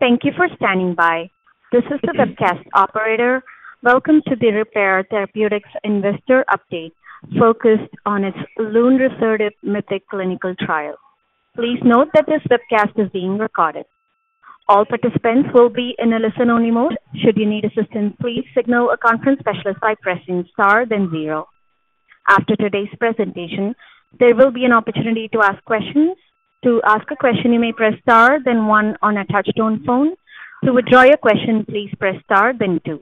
Thank you for standing by. This is the webcast operator. Welcome to the Repare Therapeutics Investor Update, focused on its lunresertib MYTHIC clinical trial. Please note that this webcast is being recorded. All participants will be in a listen-only mode. Should you need assistance, please signal a conference specialist by pressing Star, then zero. After today's presentation, there will be an opportunity to ask questions. To ask a question, you may press Star, then one on a touchtone phone. To withdraw your question, please press Star then two.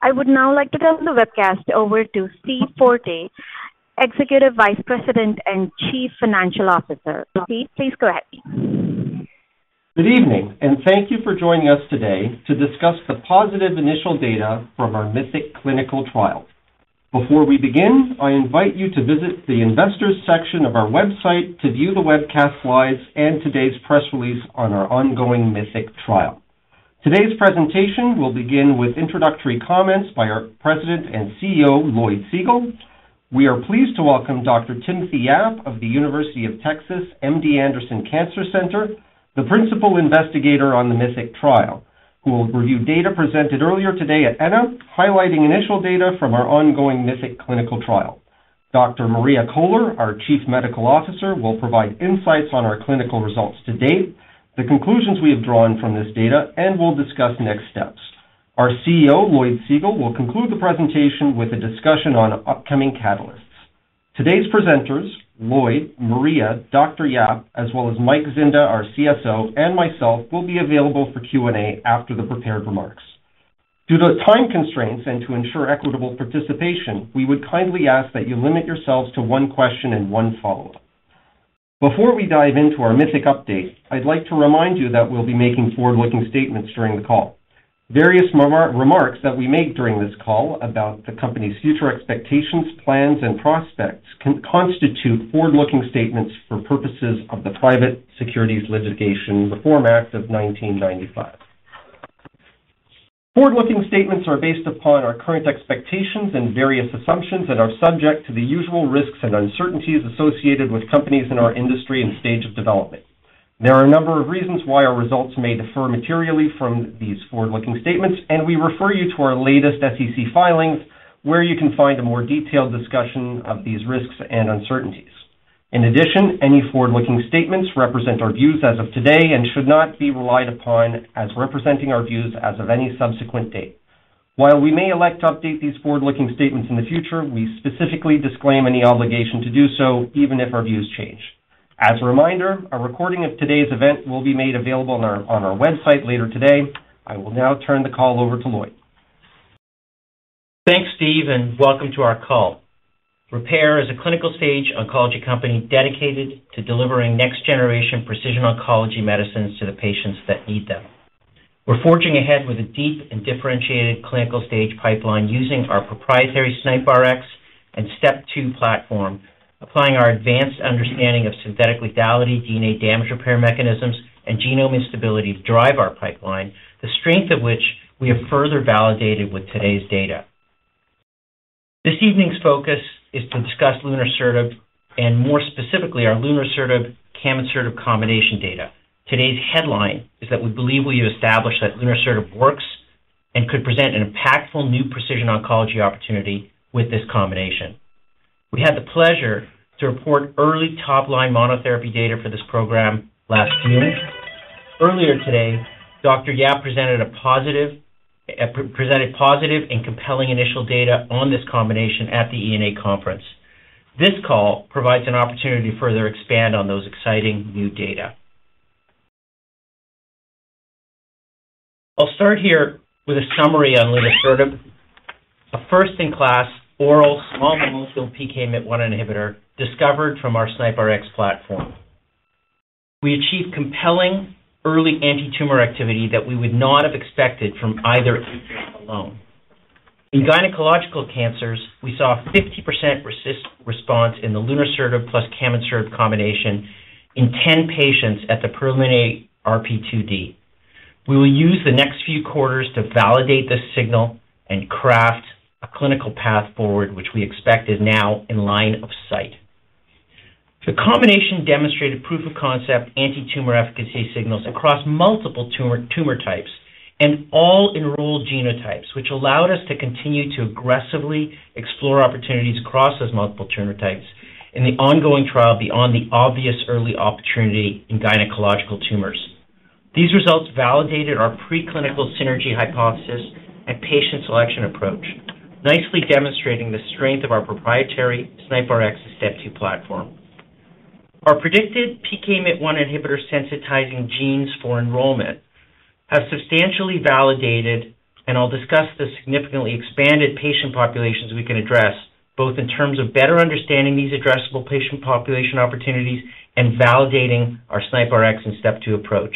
I would now like to turn the webcast over to Steve Forte, Executive Vice President and Chief Financial Officer. Steve, please go ahead. Good evening, and thank you for joining us today to discuss the positive initial data from our MYTHIC clinical trial. Before we begin, I invite you to visit the Investors section of our website to view the webcast slides and today's press release on our ongoing MYTHIC trial. Today's presentation will begin with introductory comments by our President and CEO, Lloyd Segal. We are pleased to welcome Dr. Timothy Yap of the University of Texas MD Anderson Cancer Center, the principal investigator on the MYTHIC trial, who will review data presented earlier today at ENA, highlighting initial data from our ongoing MYTHIC clinical trial. Dr. Maria Koehler, our Chief Medical Officer, will provide insights on our clinical results to date, the conclusions we have drawn from this data, and will discuss next steps. Our CEO, Lloyd Segal, will conclude the presentation with a discussion on upcoming catalysts. Today's presenters, Lloyd, Maria, Dr. Yap, as well as Mike Zinda, our CSO, and myself, will be available for Q&A after the prepared remarks. Due to time constraints and to ensure equitable participation, we would kindly ask that you limit yourselves to one question and one follow-up. Before we dive into our MYTHIC update, I'd like to remind you that we'll be making forward-looking statements during the call. Various remarks that we make during this call about the company's future expectations, plans, and prospects can constitute forward-looking statements for purposes of the Private Securities Litigation Reform Act of 1995. Forward-looking statements are based upon our current expectations and various assumptions and are subject to the usual risks and uncertainties associated with companies in our industry and stage of development. There are a number of reasons why our results may differ materially from these forward-looking statements, and we refer you to our latest SEC filings, where you can find a more detailed discussion of these risks and uncertainties. In addition, any forward-looking statements represent our views as of today and should not be relied upon as representing our views as of any subsequent date. While we may elect to update these forward-looking statements in the future, we specifically disclaim any obligation to do so, even if our views change. As a reminder, a recording of today's event will be made available on our website later today. I will now turn the call over to Lloyd. Thanks, Steve, and welcome to our call. Repare is a clinical-stage oncology company dedicated to delivering next-generation precision oncology medicines to the patients that need them. We're forging ahead with a deep and differentiated clinical stage pipeline using our proprietary SNIPRx and STEP2 platform, applying our advanced understanding of synthetic lethality, ENA damage repair mechanisms, and genome instability to drive our pipeline, the strength of which we have further validated with today's data. This evening's focus is to discuss lunresertib and, more specifically, our lunresertib/camonsertib combination data. Today's headline is that we believe we have established that lunresertib works and could present an impactful new precision oncology opportunity with this combination. We had the pleasure to report early top-line monotherapy data for this program last June. Earlier today, Dr. Yap presented positive and compelling initial data on this combination at the ENA conference. This call provides an opportunity to further expand on those exciting new data. I'll start here with a summary on lunresertib, a first-in-class oral small molecule PKMYT1 inhibitor discovered from our SNIPRx platform. We achieved compelling early antitumor activity that we would not have expected from either agent alone. In gynecological cancers, we saw a 50% RECIST response in the lunresertib plus camonsertib combination in 10 patients at the preliminary RP2D. We will use the next few quarters to validate this signal and craft a clinical path forward, which we expect is now in line of sight. The combination demonstrated proof of concept antitumor efficacy signals across multiple tumor types and all enrolled genotypes, which allowed us to continue to aggressively explore opportunities across those multiple tumor types in the ongoing trial beyond the obvious early opportunity in gynecological tumors. These results validated our preclinical synergy hypothesis and patient selection approach, nicely demonstrating the strength of our proprietary SNIPRx STEP2 platform. Our predicted PKMYT1 inhibitor sensitizing genes for enrollment have substantially validated, and I'll discuss the significantly expanded patient populations we can address, both in terms of better understanding these addressable patient population opportunities and validating our SNIPRx and STEP2 approach.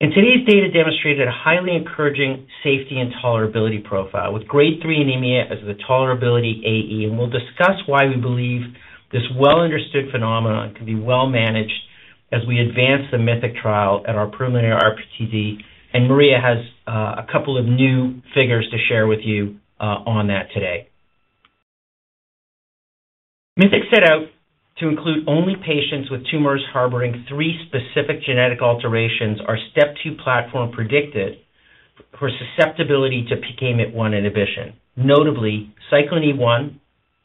Today's data demonstrated a highly encouraging safety and tolerability profile, with grade 3 anemia as the tolerability AE, and we'll discuss why we believe this well-understood phenomenon can be well managed as we advance the MYTHIC trial at our preliminary RP2D, and Maria has a couple of new figures to share with you on that today. MYTHIC set out to include only patients with tumors harboring three specific genetic alterations our step two platform predicted for susceptibility to PKMYT1 inhibition, notably Cyclin E1,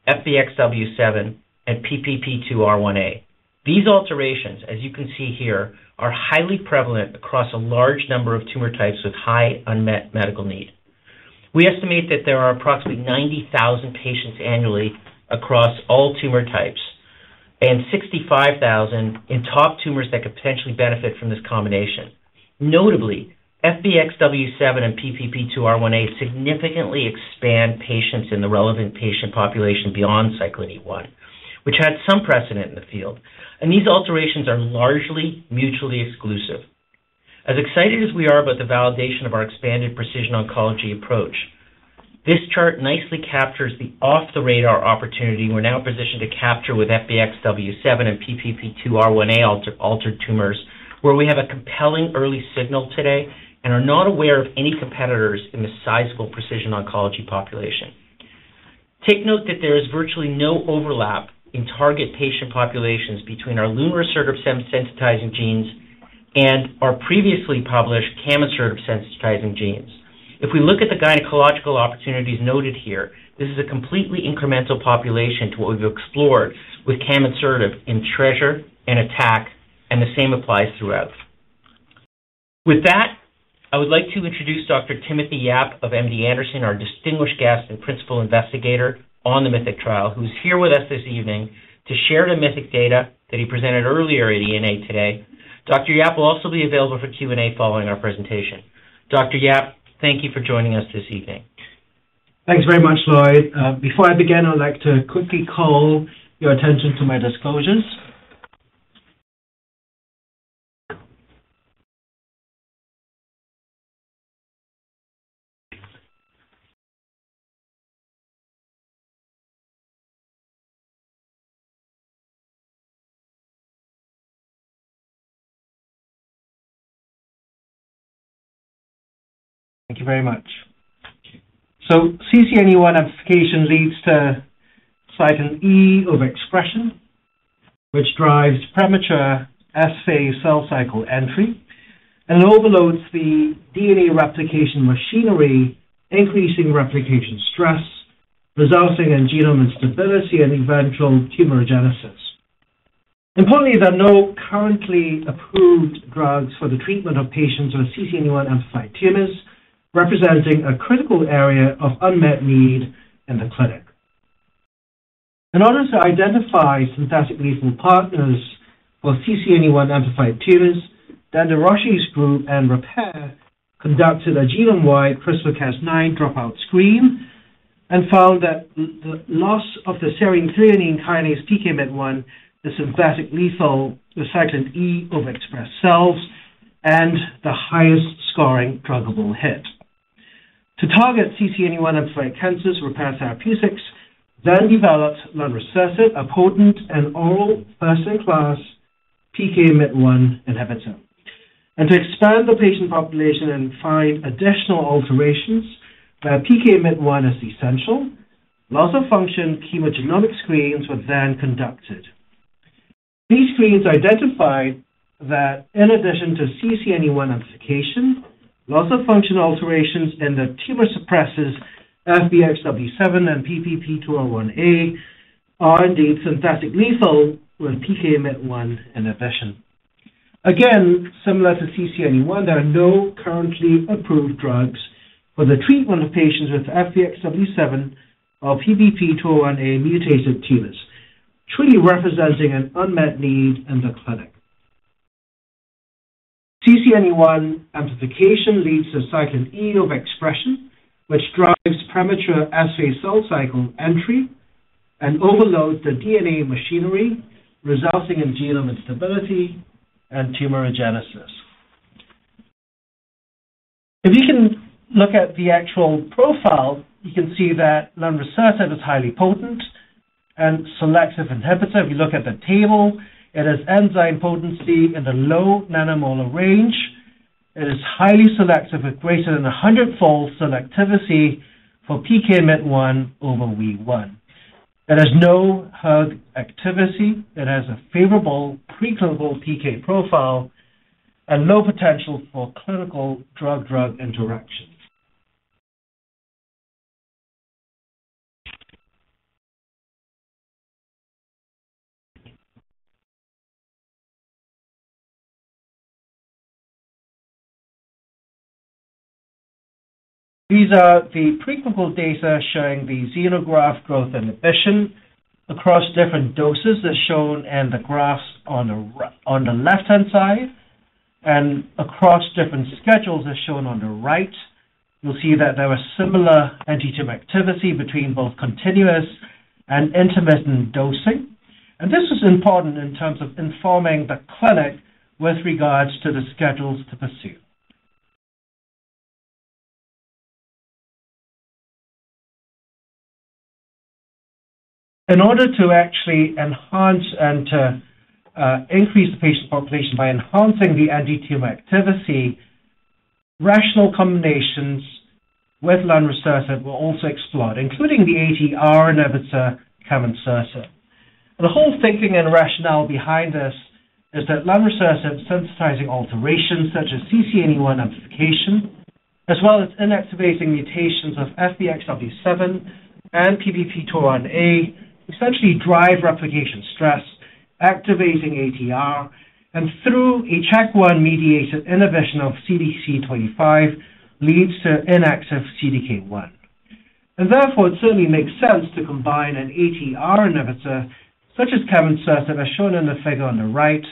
FBXW7, and PPP2R1A. These alterations, as you can see here, are highly prevalent across a large number of tumor types with high unmet medical need. We estimate that there are approximately 90,000 patients annually across all tumor types and 65,000 in top tumors that could potentially benefit from this combination. Notably, FBXW7 and PPP2R1A significantly expand patients in the relevant patient population beyond Cyclin E1, which had some precedent in the field, and these alterations are largely mutually exclusive. As excited as we are about the validation of our expanded precision oncology approach, this chart nicely captures the off-the-radar opportunity we're now positioned to capture with FBXW7 and PPP2R1A altered tumors, where we have a compelling early signal today and are not aware of any competitors in this sizable precision oncology population. Take note that there is virtually no overlap in target patient populations between our lunresertib sensitizing genes and our previously published chemosensitive sensitizing genes. If we look at the gynecological opportunities noted here, this is a completely incremental population to what we've explored with chemosensitive in TRESR and ATTACC, and the same applies throughout. With that, I would like to introduce Dr. Timothy Yap of MD Anderson, our distinguished guest and principal investigator on the MYTHIC trial, who's here with us this evening to share the MYTHIC data that he presented earlier at ENA today. Dr. Yap, thank you for joining us this evening. Thanks very much, Lloyd. Before I begin, I'd like to quickly call your attention to my disclosures. Thank you very much. So CCNE1 amplification leads to cyclin E overexpression, which drives premature S phase cell cycle entry and overloads the DNA replication machinery, increasing replication stress, resulting in genome instability and eventual tumorigenesis. Importantly, there are no currently approved drugs for the treatment of patients with CCNE1 amplified tumors, representing a critical area of unmet need in the clinic. In order to identify synthetic lethal partners for CCNE1 amplified tumors, Durocher's group and Repare conducted a genome-wide CRISPR-Cas9 dropout screen and found that the loss of the serine threonine kinase PKMYT1 is synthetic lethal to cyclin E overexpression cells and the highest-scoring druggable hit. To target CCNE1 amplified cancers, Repare Therapeutics then developed lunresertib, a potent and oral first-in-class PKMYT1 inhibitor. To expand the patient population and find additional alterations, where PKMYT1 is essential, loss-of-function chemogenomic screens were then conducted. These screens identified that in addition to CCNE1 amplification, loss-of-function alterations in the tumor suppressors FBXW7 and PPP2R1A are indeed synthetic lethal when PKMYT1 inhibition. Again, similar to CCNE1, there are no currently approved drugs for the treatment of patients with FBXW7 or PPP2R1A mutated tumors, truly representing an unmet need in the clinic. CCNE1 amplification leads to cyclin E overexpression, which drives premature S phase cell cycle entry and overloads the DNA machinery, resulting in genome instability and tumorigenesis. If you can look at the actual profile, you can see that lunresertib is highly potent and selective inhibitor. If you look at the table, it has enzyme potency in the low nanomolar range. It is highly selective, with greater than 100-fold selectivity for PKMYT1 over WEE1. It has no hERG activity. It has a favorable preclinical PK profile and no potential for clinical drug-drug interactions. These are the preclinical data showing the xenograft growth inhibition across different doses, as shown in the graphs on the right, on the left-hand side, and across different schedules, as shown on the right. You'll see that there are similar anti-tumor activity between both continuous and intermittent dosing, and this is important in terms of informing the clinic with regards to the schedules to pursue. In order to actually enhance and to, increase the patient population by enhancing the anti-tumor activity-... Rational combinations with lunresertib were also explored, including the ATR inhibitor camonsertib. The whole thinking and rationale behind this is that lunresertib sensitizing alterations such as CCNE1 amplification, as well as inactivating mutations of FBXW7 and PPP2R1A, essentially drive replication stress, activating ATR, and through a CHEK1-mediated inhibition of CDC25, leads to inaccess of CDK1. It certainly makes sense to combine an ATR inhibitor, such as camonsertib, as shown in the figure on the right,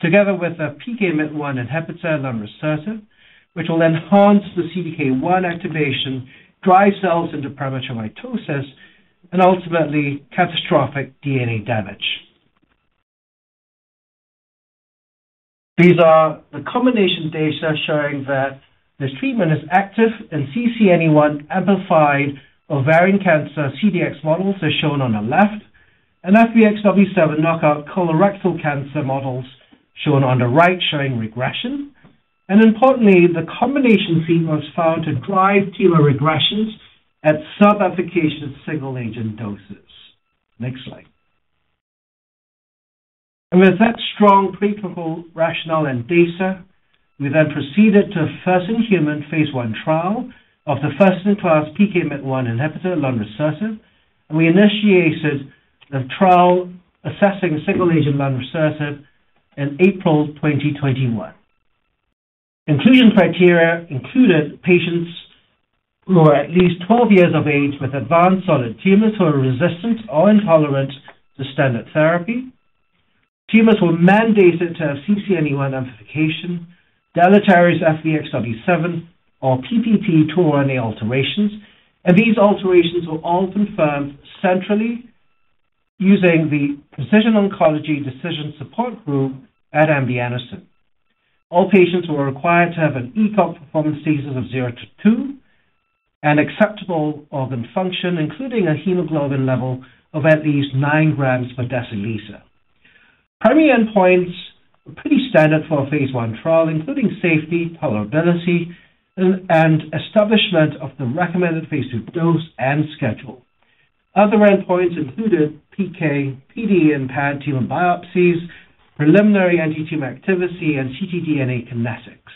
together with a PKMYT1 inhibitor lunresertib, which will enhance the CDK1 activation, drive cells into premature mitosis, and ultimately catastrophic DNA damage. These are the combination data showing that this treatment is active in CCNE1 amplified ovarian cancer CDX models, as shown on the left, and FBXW7 knockout colorectal cancer models shown on the right, showing regression. Importantly, the combination treatment was found to drive tumor regressions at sub-efficacy single-agent doses. Next slide. With that strong preclinical rationale and data, we then proceeded to first-in-human phase 1 trial of the first-in-class PKMYT1 inhibitor lunresertib, and we initiated the trial assessing single-agent lunresertib in April 2021. Inclusion criteria included patients who were at least 12 years of age with advanced solid tumors who are resistant or intolerant to standard therapy. Tumors were mandated to have CCNE1 amplification, deleterious FBXW7, or PPP2R1A alterations, and these alterations were all confirmed centrally using the Precision Oncology Decision Support Group at MD Anderson. All patients were required to have an ECOG performance status of 0-2 and acceptable organ function, including a hemoglobin level of at least nine grams per deciliter. Primary endpoints were pretty standard for a phase 1 trial, including safety, tolerability, and establishment of the recommended phase 2 dose and schedule. Other endpoints included PK/PD and paired tumor biopsies, preliminary anti-tumor activity, and ctDNA kinetics.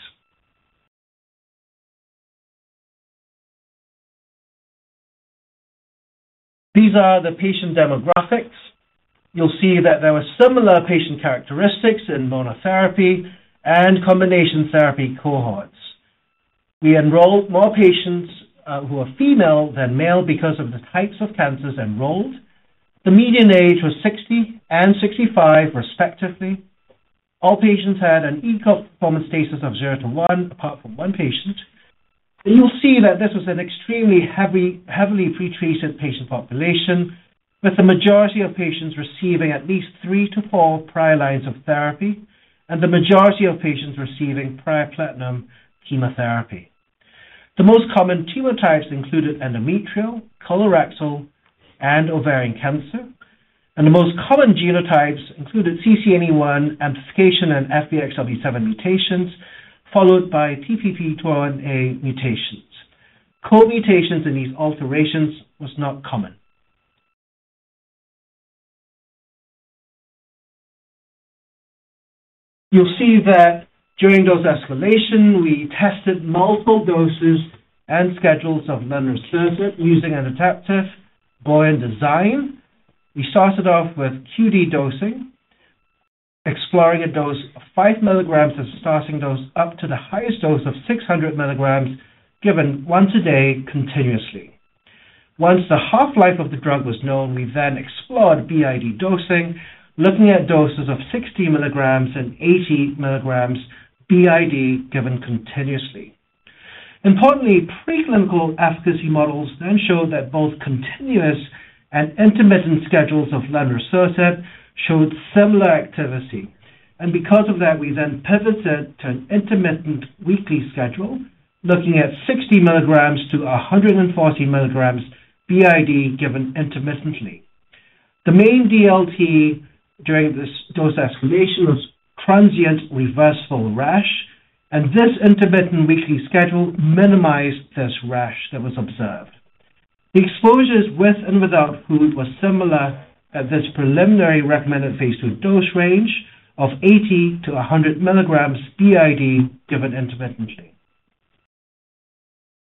These are the patient demographics. You'll see that there were similar patient characteristics in monotherapy and combination therapy cohorts. We enrolled more patients who are female than male because of the types of cancers enrolled. The median age was 60 and 65, respectively. All patients had an ECOG performance status of zero to one, apart from one patient. You'll see that this was an extremely heavily pre-treated patient population, with the majority of patients receiving at least 3-4 prior lines of therapy, and the majority of patients receiving prior platinum chemotherapy. The most common tumor types included endometrial, colorectal, and ovarian cancer, and the most common genotypes included CCNE1 amplification and FBXW7 mutations, followed by PPP2R1A mutations. Co-mutations in these alterations was not common. You'll see that during dose escalation, we tested multiple doses and schedules of lunresertib using an adaptive Bayesian design. We started off with QD dosing, exploring a dose of 5 mg as a starting dose, up to the highest dose of 600 mg, given once a day continuously. Once the half-life of the drug was known, we then explored BID dosing, looking at doses of 60 mg and 80 mg BID, given continuously. Importantly, preclinical efficacy models then showed that both continuous and intermittent schedules of lunresertib showed similar activity. Because of that, we then pivoted to an intermittent weekly schedule, looking at 60 mg to 140 mg BID, given intermittently. The main DLT during this dose escalation was transient reversible rash, and this intermittent weekly schedule minimized this rash that was observed. The exposures with and without food were similar at this preliminary recommended Phase 2 dose range of 80-100 mg BID, given intermittently.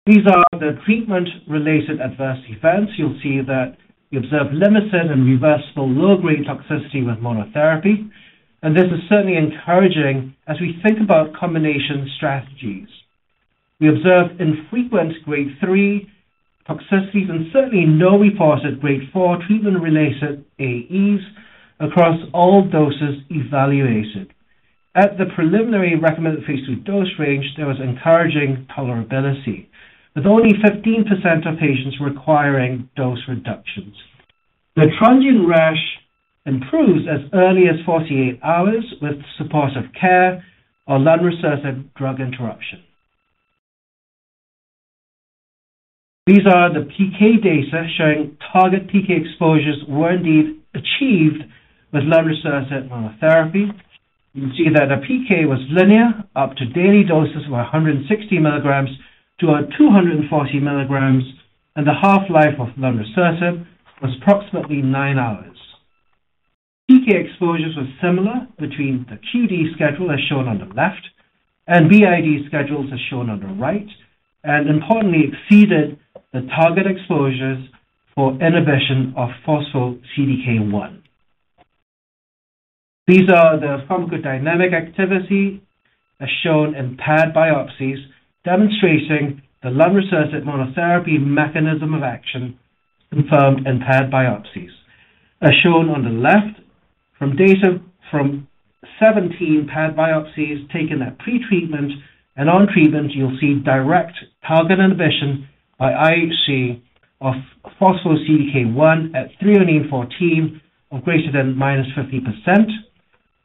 These are the treatment-related adverse events. You'll see that we observed limited and reversible low-grade toxicity with monotherapy, and this is certainly encouraging as we think about combination strategies. We observed infrequent Grade 3 toxicities and certainly no reported Grade 4 treatment-related AEs across all doses evaluated. At the preliminary recommended Phase 2 dose range, there was encouraging tolerability, with only 15% of patients requiring dose reductions. The transient rash improves as early as 48 hours with supportive care or lunresertib drug interruption.... These are the PK data showing target PK exposures were indeed achieved with lunresertib monotherapy. You can see that the PK was linear up to daily doses of 160 mg to 240 mg, and the half-life of lunresertib was approximately 9 hours. PK exposures were similar between the QD schedule, as shown on the left, and BID schedules, as shown on the right, and importantly, exceeded the target exposures for inhibition of phospho-CDK1. These are the pharmacodynamic activity, as shown in paired biopsies, demonstrating the lunresertib monotherapy mechanism of action confirmed in paired biopsies. As shown on the left, from data from 17 paired biopsies taken at pretreatment and on treatment, you'll see direct target inhibition by IHC of phospho-CDK1 at threonine 14 of greater than -50%.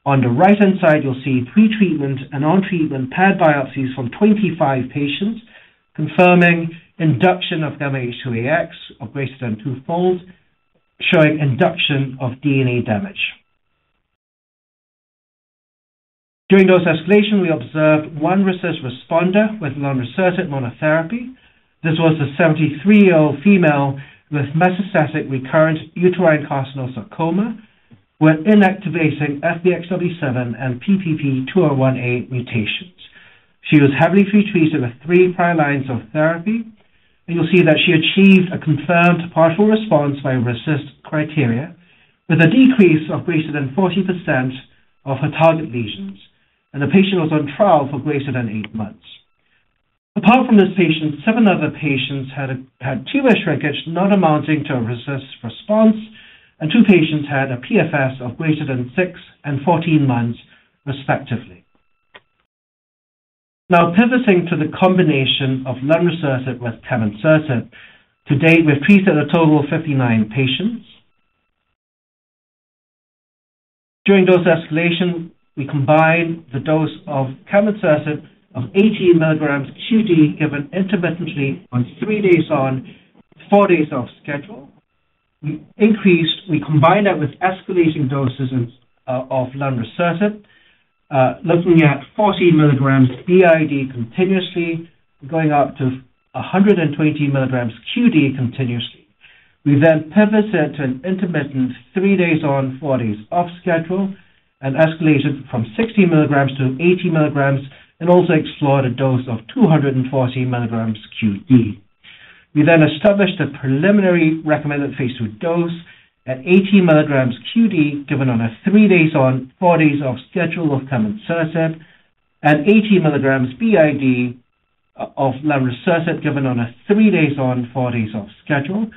On the right-hand side, you'll see pretreatment and on-treatment paired biopsies from 25 patients, confirming induction of γH2AX of greater than 2-fold, showing induction of DNA damage. During dose escalation, we observed 1 RECIST responder with lunresertib monotherapy. This was a 73-year-old female with metastatic recurrent uterine carcinosarcoma, with inactivating FBXW7 and PPP2R1A mutations. She was heavily pretreated with 3 prior lines of therapy, and you'll see that she achieved a confirmed partial response by RECIST criteria, with a decrease of greater than 40% of her target lesions, and the patient was on trial for greater than 8 months. Apart from this patient, 7 other patients had tumor shrinkage, not amounting to a RECIST response, and 2 patients had a PFS of greater than 6 and 14 months, respectively. Now pivoting to the combination of lunresertib with camonsertib, to date, we've treated a total of 59 patients. During dose escalation, we combined the dose of camonsertib of 80 milligrams QD, given intermittently on 3 days on, 4 days off schedule. We increased, we combined that with escalating doses of lunresertib, looking at 40 mg BID continuously, going up to 120 mg QD continuously. We then pivoted to an intermittent 3 days on, 4 days off schedule, and escalated from 60 mg to 80 mg, and also explored a dose of 240 mg QD. We then established a preliminary recommended phase 2 dose at 80 mg QD, given on a 3 days on, 4 days off schedule of camonsertib, and 80 mg BID of lunresertib given on a 3 days on, 4 days off schedule.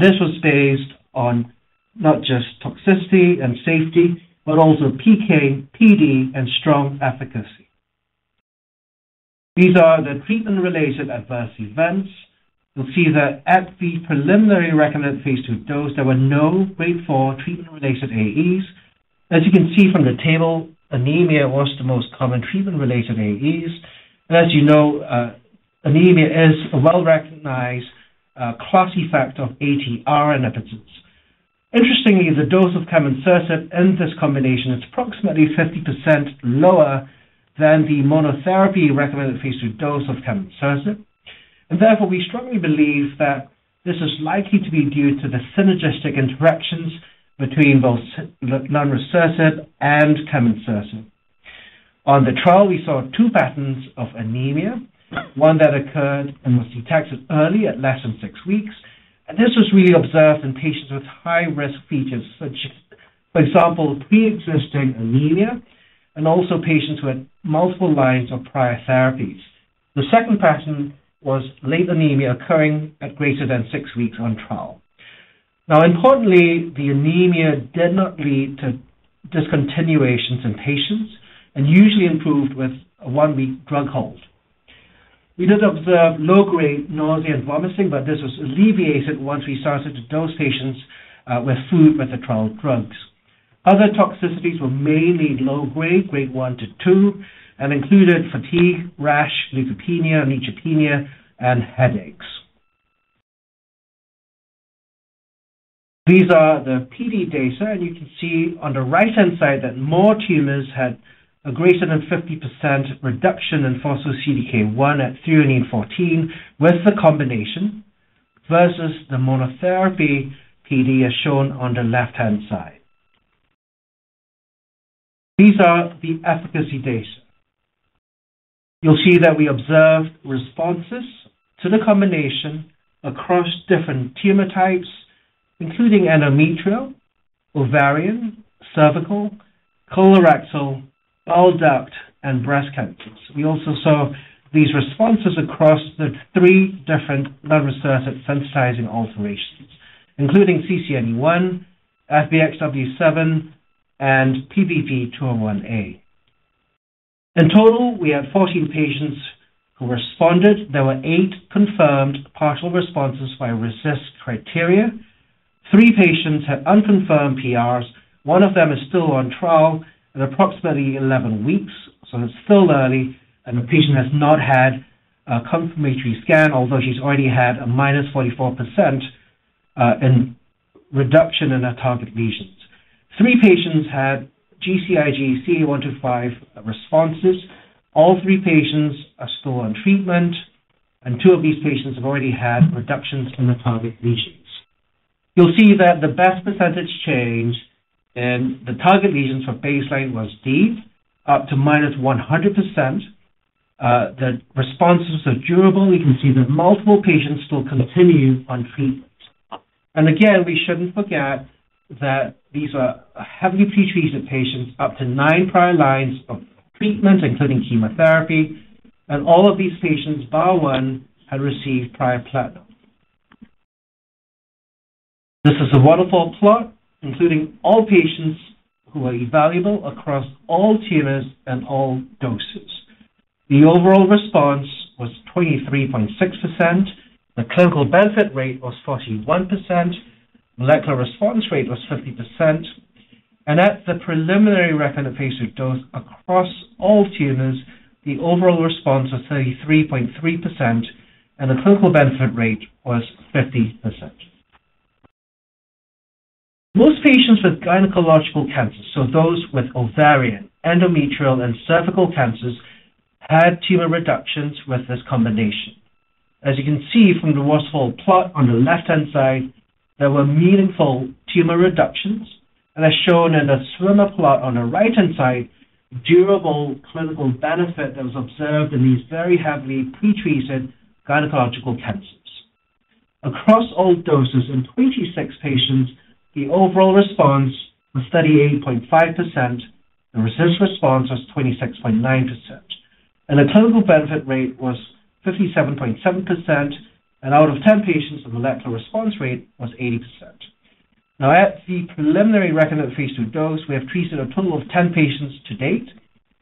This was based on not just toxicity and safety, but also PK, PD, and strong efficacy. These are the treatment-related adverse events. You'll see that at the preliminary recommended phase 2 dose, there were no grade 4 treatment-related AEs. As you can see from the table, anemia was the most common treatment-related AEs, and as you know, anemia is a well-recognized class effect of ATR inhibitors. Interestingly, the dose of camonsertib in this combination is approximately 50% lower than the monotherapy recommended phase 2 dose of camonsertib. Therefore, we strongly believe that this is likely to be due to the synergistic interactions between both lunresertib and camonsertib. On the trial, we saw two patterns of anemia, one that occurred and was detected early at less than 6 weeks, and this was really observed in patients with high-risk features such as, for example, preexisting anemia and also patients with multiple lines of prior therapies. The second pattern was late anemia occurring at greater than 6 weeks on trial. Now, importantly, the anemia did not lead to discontinuations in patients and usually improved with a 1-week drug hold. We did observe low-grade nausea and vomiting, but this was alleviated once we started to dose patients, with food with the trial drugs. Other toxicities were mainly low grade, grade 1-2, and included fatigue, rash, leukopenia, neutropenia, and headaches. These are the PD data, and you can see on the right-hand side that more tumors had a greater than 50% reduction in phospho-CDK1 at threonine 14 with the combination versus the monotherapy PD, as shown on the left-hand side. These are the efficacy data. You'll see that we observed responses to the combination across different tumor types, including endometrial, ovarian, cervical, colorectal, bile duct, and breast cancers. We also saw these responses across the three different lunresertib sensitizing alterations, including CCNE1, FBXW7, and PPP2R1A. In total, we had 14 patients who responded. There were eight confirmed partial responses by RECIST criteria. Three patients had unconfirmed PRs. One of them is still on trial at approximately 11 weeks, so it's still early, and the patient has not had a confirmatory scan, although she's already had a -44% in reduction in her target lesions. Three patients had GCIG CA-125 responses. All three patients are still on treatment, and two of these patients have already had reductions in the target lesions. You'll see that the best percentage change in the target lesions for baseline was deep, up to -100%. The responses are durable. We can see that multiple patients still continue on treatment. And again, we shouldn't forget that these are heavily pretreated patients, up to 9 prior lines of treatment, including chemotherapy. And all of these patients, bar one, had received prior platinum. This is a waterfall plot including all patients who are evaluable across all tumors and all doses. The overall response was 23.6%, the clinical benefit rate was 41%, molecular response rate was 50%, and at the preliminary recommended phase 2 dose across all tumors, the overall response was 33.3% and the clinical benefit rate was 50%. Most patients with gynecological cancers, so those with ovarian, endometrial, and cervical cancers, had tumor reductions with this combination. As you can see from the waterfall plot on the left-hand side, there were meaningful tumor reductions, and as shown in the swimmer plot on the right-hand side, durable clinical benefit that was observed in these very heavily pretreated gynecological cancers. Across all doses in 26 patients, the overall response was 38.5%, the RECIST response was 26.9%, and the clinical benefit rate was 57.7%, and out of 10 patients, the molecular response rate was 80%. Now, at the preliminary recommended phase 2 dose, we have treated a total of 10 patients to date.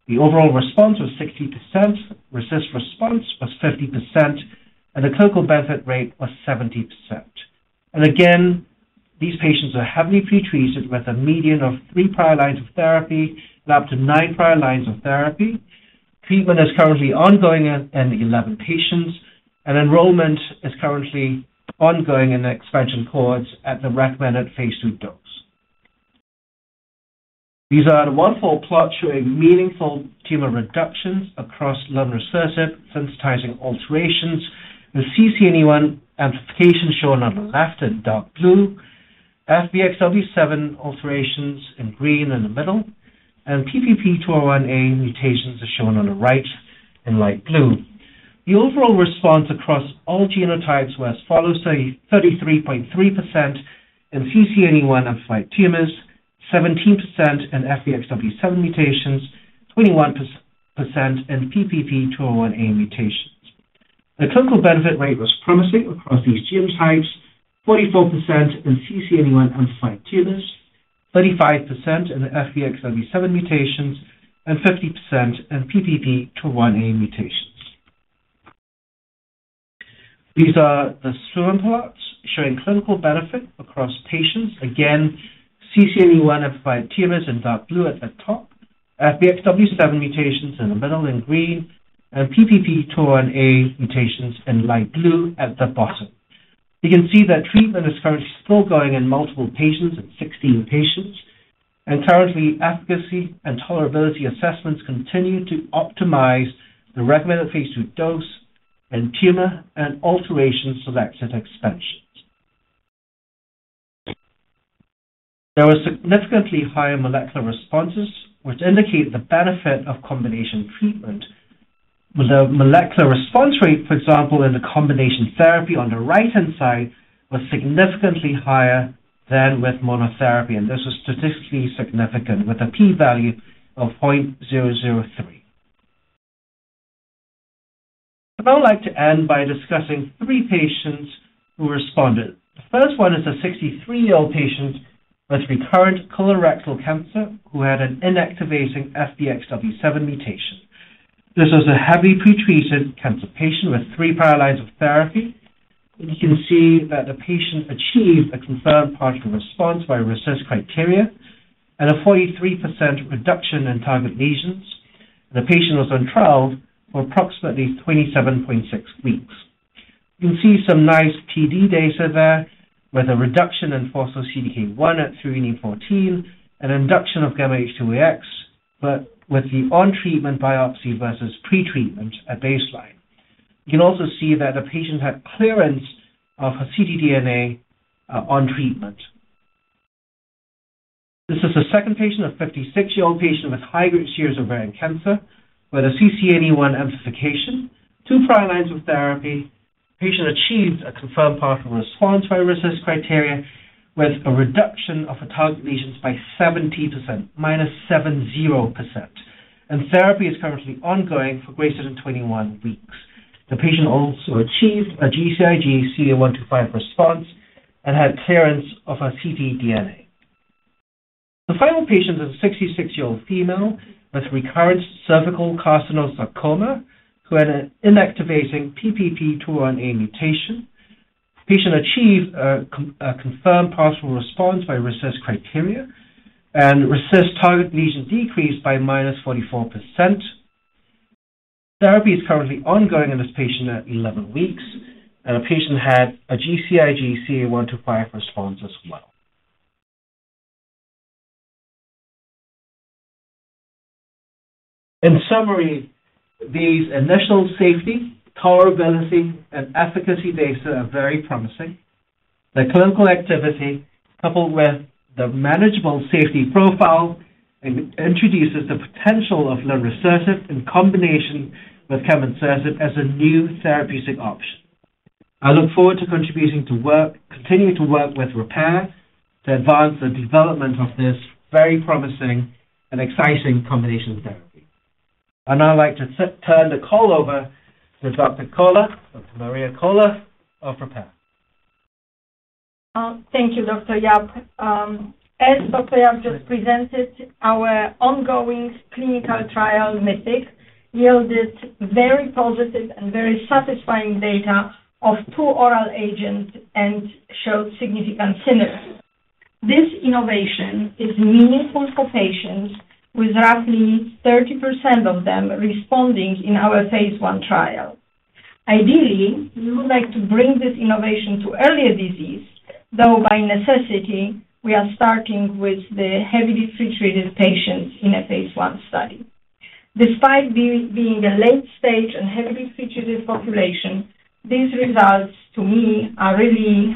The overall response was 60%, RECIST response was 50%, and the clinical benefit rate was 70%. And again, these patients are heavily pretreated with a median of three prior lines of therapy, up to nine prior lines of therapy. Treatment is currently ongoing in 11 patients, and enrollment is currently ongoing in the expansion cohorts at the recommended phase 2 dose. These are the waterfall plots showing meaningful tumor reductions across lung resistive sensitizing alterations. The CCNE1 amplification shown on the left in dark blue, FBXW7 alterations in green in the middle, and PPP2R1A mutations are shown on the right in light blue. The overall response across all genotypes were as follows: 33.3% in CCNE1 amplified tumors, 17% in FBXW7 mutations, 21% in PPP2R1A mutations. The clinical benefit rate was promising across these genotypes: 44% in CCNE1 amplified tumors, 35% in the FBXW7 mutations, and 50% in PPP2R1A mutations. These are the swim plots showing clinical benefit across patients. Again, CCNE1 amplified tumors in dark blue at the top, FBXW7 mutations in the middle in green, and PPP2R1A mutations in light blue at the bottom. You can see that treatment is currently still going in multiple patients, in 16 patients, and currently, efficacy and tolerability assessments continue to optimize the recommended phase 2 dose in tumor and alteration-selected expansions. There were significantly higher molecular responses, which indicate the benefit of combination treatment, with the molecular response rate, for example, in the combination therapy on the right-hand side, was significantly higher than with monotherapy, and this was statistically significant, with a p-value of 0.003. I'd now like to end by discussing three patients who responded. The first one is a 63-year-old patient with recurrent colorectal cancer, who had an inactivating FBXW7 mutation. This is a heavily pretreated cancer patient with three prior lines of therapy. You can see that the patient achieved a confirmed partial response by RECIST criteria and a 43% reduction in target lesions. The patient was on trial for approximately 27.6 weeks. You can see some nice TD data there, with a reduction in phospho-CDK1 at threonine 14, an induction of γH2AX, but with the on-treatment biopsy versus pretreatment at baseline. You can also see that the patient had clearance of her ctDNA on treatment. This is the second patient, a 56-year-old patient with high-grade serous ovarian cancer with a CCNE1 amplification. Two prior lines of therapy. The patient achieved a confirmed partial response by RECIST criteria, with a reduction of her target lesions by 70%, -70%. Therapy is currently ongoing for greater than 21 weeks. The patient also achieved a GCIG CA-125 response and had clearance of her ctDNA. The final patient is a 66-year-old female with recurrent cervical carcinoma sarcoma, who had an inactivating PPP2R1A mutation. Patient achieved a confirmed partial response by RECIST criteria, and RECIST target lesion decreased by -44%. Therapy is currently ongoing in this patient at 11 weeks, and the patient had a GCIG CA-125 response as well. In summary, these initial safety, tolerability, and efficacy data are very promising. The clinical activity, coupled with the manageable safety profile, introduces the potential of lunresertib in combination with camonsertib as a new therapeutic option. I look forward to continuing to work with Repare to advance the development of this very promising and exciting combination therapy. I'd now like to turn the call over to Dr. Koehler, Dr. Maria Koehler of Repare. Thank you, Dr. Yap. As Dr. Yap just presented, our ongoing clinical trial, MYTHIC, yielded very positive and very satisfying data of two oral agents and showed significant synergy. This innovation is meaningful for patients, with roughly 30% of them responding in our phase 1 trial. Ideally, we would like to bring this innovation to earlier disease, though by necessity, we are starting with the heavily pretreated patients in a phase one study. Despite being a late stage and heavily pretreated population, these results, to me, are really,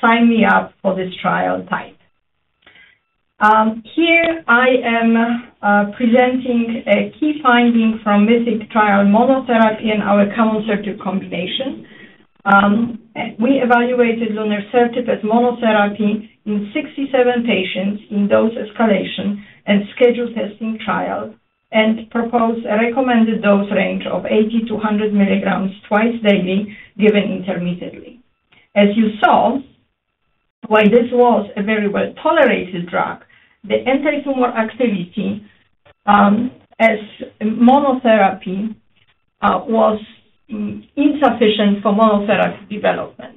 sign me up for this trial type. Here I am, presenting a key finding from MYTHIC trial monotherapy and our camonsertib combination. We evaluated lunresertib as monotherapy in 67 patients in dose escalation and schedule testing trial, and proposed a recommended dose range of 80-100 mg twice daily, given intermittently. As you saw, while this was a very well-tolerated drug, the antitumor activity, as monotherapy, was insufficient for monotherapy development.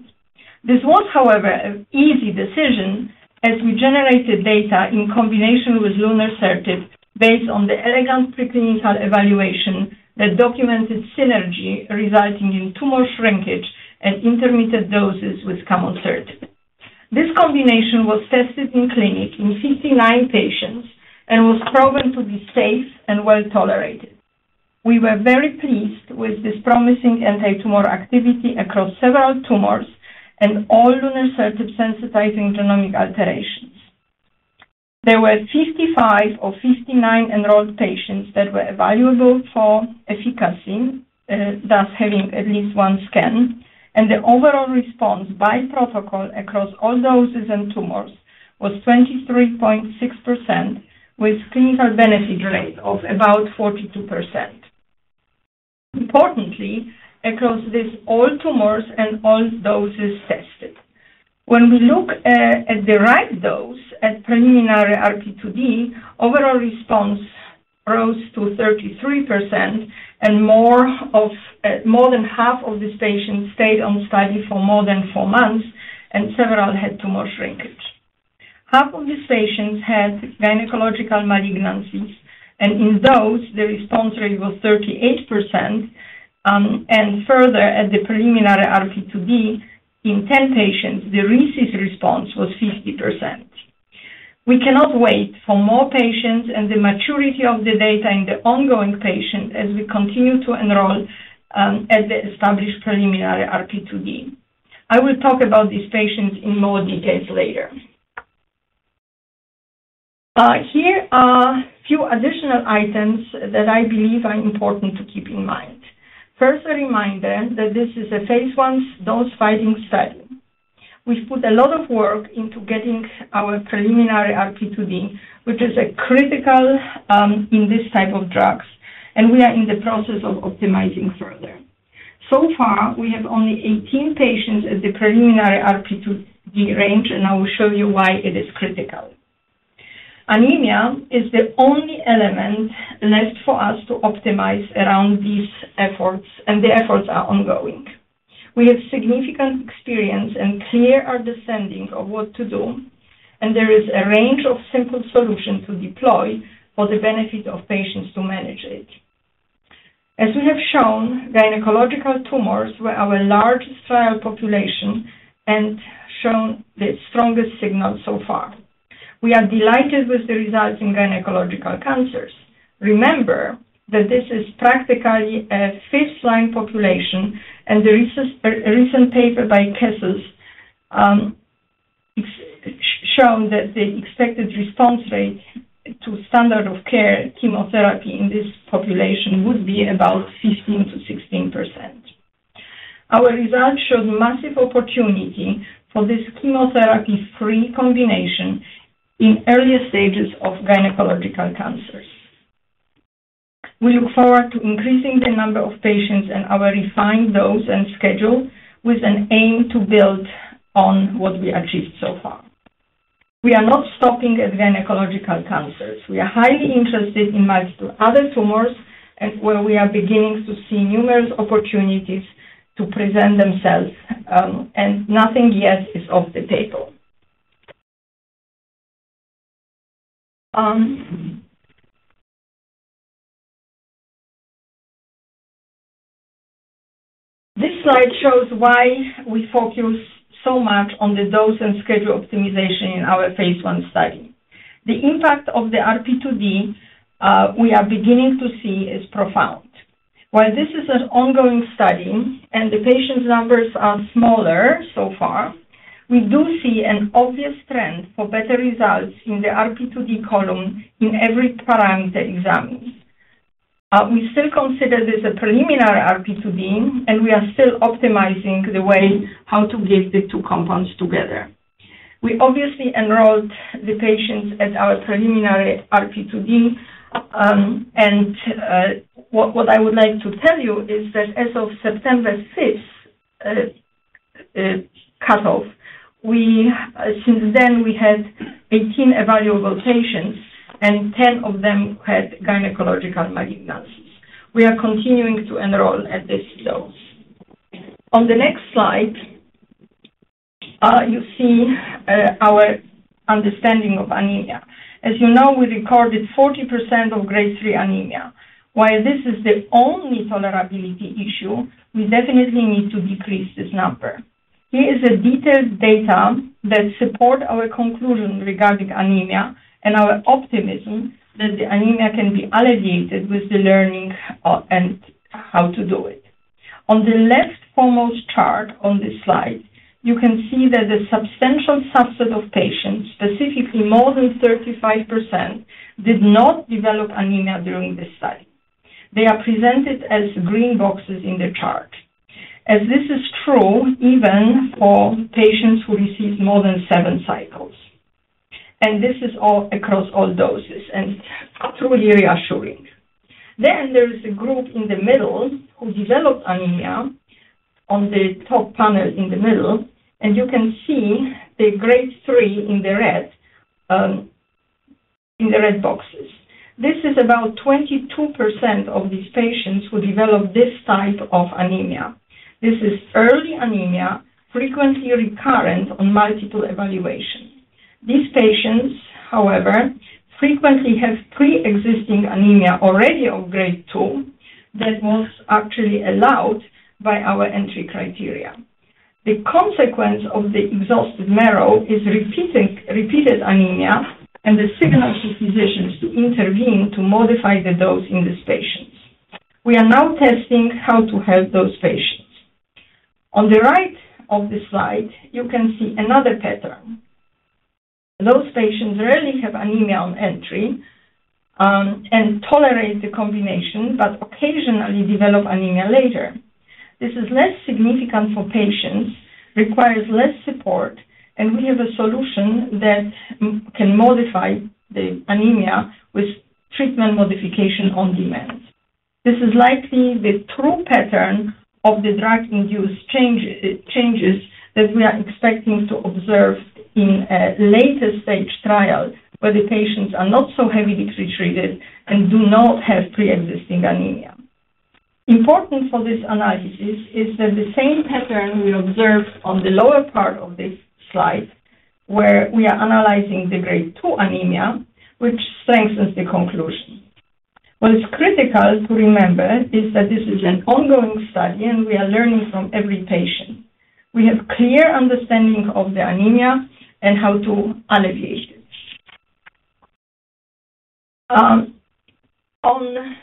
This was, however, an easy decision as we generated data in combination with lunresertib, based on the elegant preclinical evaluation that documented synergy resulting in tumor shrinkage and intermittent doses with camonsertib. This combination was tested in clinic in 59 patients and was proven to be safe and well tolerated. We were very pleased with this promising antitumor activity across several tumors and all lunresertib sensitizing genomic alterations. There were 55 or 59 enrolled patients that were evaluable for efficacy, thus having at least one scan, and the overall response by protocol across all doses and tumors was 23.6%, with clinical benefit rate of about 42%. Importantly, across this all tumors and all doses tested. When we look at the right dose at preliminary RP2D, overall response rose to 33% and more than half of these patients stayed on study for more than four months, and several had tumor shrinkage. Half of these patients had gynecological malignancies, and in those, the response rate was 38%, and further, at the preliminary RP2D, in 10 patients, the RECIST response was 50%. We cannot wait for more patients and the maturity of the data in the ongoing patients as we continue to enroll at the established preliminary RP2D. I will talk about these patients in more details later. Here are few additional items that I believe are important to keep in mind. First, a reminder that this is a phase 1 dose-finding study. We've put a lot of work into getting our preliminary RP2D, which is a critical in this type of drugs, and we are in the process of optimizing further. So far, we have only 18 patients at the preliminary RP2D range, and I will show you why it is critical. Anemia is the only element left for us to optimize around these efforts, and the efforts are ongoing. We have significant experience and clear understanding of what to do, and there is a range of simple solutions to deploy for the benefit of patients to manage it. As we have shown, gynecological tumors were our largest trial population and shown the strongest signal so far. We are delighted with the results in gynecological cancers. Remember that this is practically a fifth-line population, and the recent paper by Kessous has shown that the expected response rate to standard of care chemotherapy in this population would be about 15%-16%. Our results show massive opportunity for this chemotherapy-free combination in earlier stages of gynecological cancers. We look forward to increasing the number of patients and our refined dose and schedule with an aim to build on what we achieved so far. We are not stopping at gynecological cancers. We are highly interested in multiple other tumors and where we are beginning to see numerous opportunities to present themselves, and nothing yet is off the table. This slide shows why we focus so much on the dose and schedule optimization in our phase 1 study. The impact of the RP2D we are beginning to see is profound. While this is an ongoing study and the patient's numbers are smaller so far, we do see an obvious trend for better results in the RP2D column in every parameter examined. We still consider this a preliminary RP2D, and we are still optimizing the way how to give the two compounds together. We obviously enrolled the patients at our preliminary RP2D. What I would like to tell you is that as of September 5th cutoff, since then, we had 18 evaluable patients, and 10 of them had gynecological malignancies. We are continuing to enroll at this dose. On the next slide, you see our understanding of anemia. As you know, we recorded 40% of Grade 3 anemia. While this is the only tolerability issue, we definitely need to decrease this number. Here is a detailed data that support our conclusion regarding anemia and our optimism that the anemia can be alleviated with the learning, and how to do it. On the left foremost chart on this slide, you can see that a substantial subset of patients, specifically more than 35%, did not develop anemia during this study. They are presented as green boxes in the chart. And this is true even for patients who received more than 7 cycles, and this is all across all doses and are truly reassuring. Then there is a group in the middle who developed anemia on the top panel in the middle, and you can see the Grade 3 in the red, in the red boxes. This is about 22% of these patients who developed this type of anemia. This is early anemia, frequently recurrent on multiple evaluations. These patients, however, frequently have pre-existing anemia already of Grade 2 that was actually allowed by our entry criteria. The consequence of the exhausted marrow is repeated anemia and the signal to physicians to intervene to modify the dose in these patients. We are now testing how to help those patients. On the right of the slide, you can see another pattern. Those patients rarely have anemia on entry, and tolerate the combination, but occasionally develop anemia later. This is less significant for patients, requires less support, and we have a solution that can modify the anemia with treatment modification on demand. This is likely the true pattern of the drug-induced changes that we are expecting to observe in a later stage trial, where the patients are not so heavily pretreated and do not have pre-existing anemia. Important for this analysis is that the same pattern we observed on the lower part of this slide, where we are analyzing the Grade 2 anemia, which strengthens the conclusion. What is critical to remember is that this is an ongoing study, and we are learning from every patient. We have clear understanding of the anemia and how to alleviate it. On...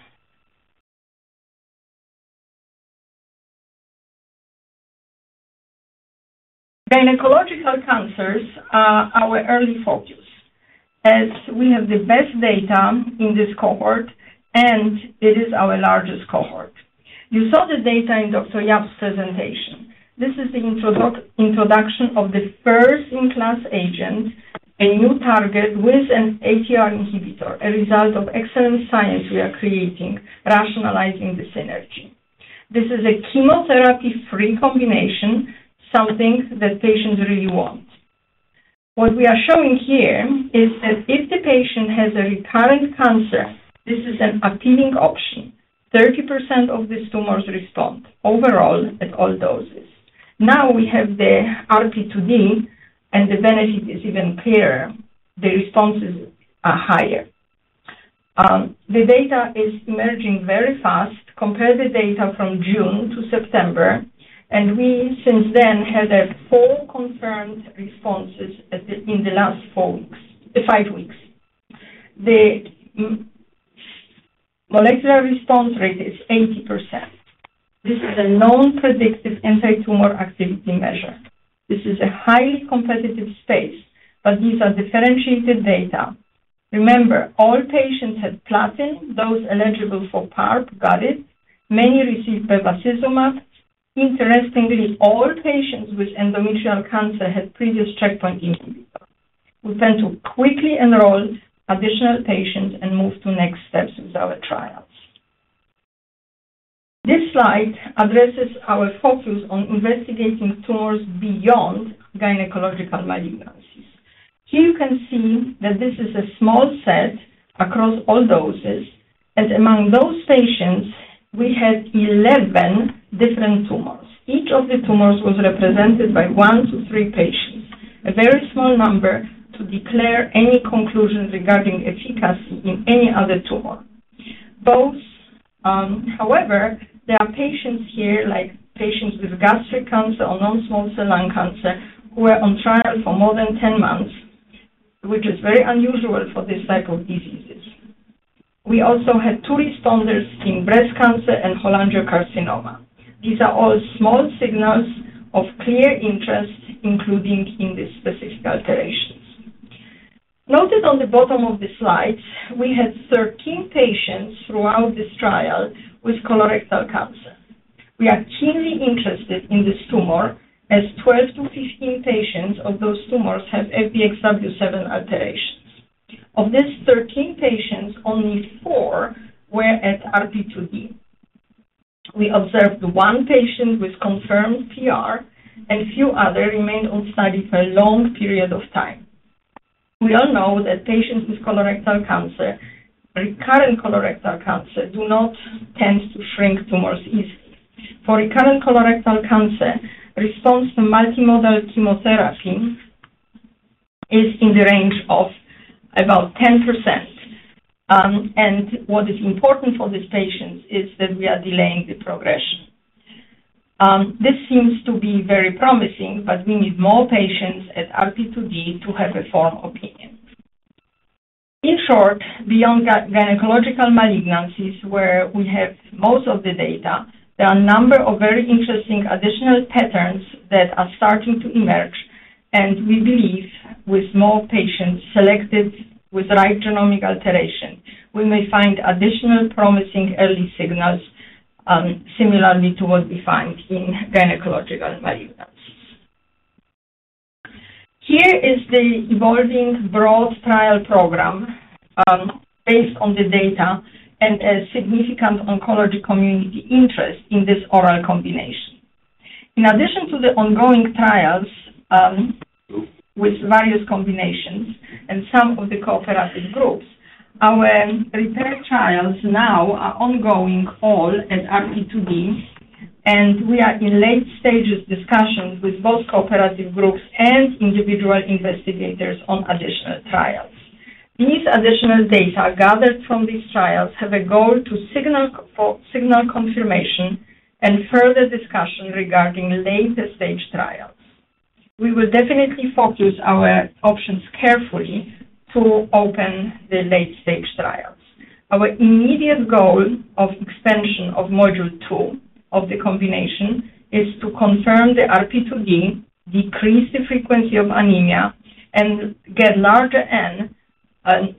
Gynecological cancers are our early focus, as we have the best data in this cohort, and it is our largest cohort. You saw the data in Dr. Yap's presentation. This is the introduction of the first-in-class agent, a new target with an ATR inhibitor, a result of excellent science we are creating, rationalizing the synergy. This is a chemotherapy-free combination, something that patients really want. What we are showing here is that if the patient has a recurrent cancer, this is an appealing option. 30% of these tumors respond overall at all doses. Now we have the RP2D, and the benefit is even clearer. The responses are higher. The data is emerging very fast. Compare the data from June to September, and we since then had four confirmed responses in the last four weeks, five weeks. The molecular response rate is 80%. This is a known predictive antitumor activity measure. This is a highly competitive space, but these are differentiated data. Remember, all patients had platinum. Those eligible for PARP got it. Many received bevacizumab. Interestingly, all patients with endometrial cancer had previous checkpoint inhibitors. We plan to quickly enroll additional patients and move to next steps with our trials. This slide addresses our focus on investigating tumors beyond gynecological malignancies. Here you can see that this is a small set across all doses, and among those patients, we had 11 different tumors. Each of the tumors was represented by 1-3 patients, a very small number to declare any conclusions regarding efficacy in any other tumor. However, there are patients here, like patients with gastric cancer or non-small cell lung cancer, who were on trial for more than 10 months, which is very unusual for this type of diseases. We also had 2 responders in breast cancer and cholangiocarcinoma. These are all small signals of clear interest, including in this specific alterations. Notice on the bottom of the slide, we had 13 patients throughout this trial with colorectal cancer. We are keenly interested in this tumor, as 12-15 patients of those tumors had FBXW7 alterations. Of these 13 patients, only 4 were at RP2D. We observed one patient with confirmed PR, and a few others remained on study for a long period of time. We all know that patients with colorectal cancer, recurrent colorectal cancer, do not tend to shrink tumors easily. For recurrent colorectal cancer, response to multimodal chemotherapy is in the range of about 10%. And what is important for these patients is that we are delaying the progression. This seems to be very promising, but we need more patients at RP2D to have a firm opinion. In short, beyond gynecological malignancies, where we have most of the data, there are a number of very interesting additional patterns that are starting to emerge, and we believe with more patients selected with the right genomic alteration, we may find additional promising early signals, similarly to what we find in gynecological malignancies. Here is the evolving broad trial program, based on the data and a significant oncology community interest in this oral combination. In addition to the ongoing trials, with various combinations and some of the cooperative groups, our Repare trials now are ongoing all at RP2D, and we are in late stages discussions with both cooperative groups and individual investigators on additional trials. These additional data gathered from these trials have a goal to signal confirmation and further discussion regarding later-stage trials. We will definitely focus our options carefully to open the late-stage trials. Our immediate goal of expansion of module two of the combination is to confirm the RP2D, decrease the frequency of anemia, and get larger N,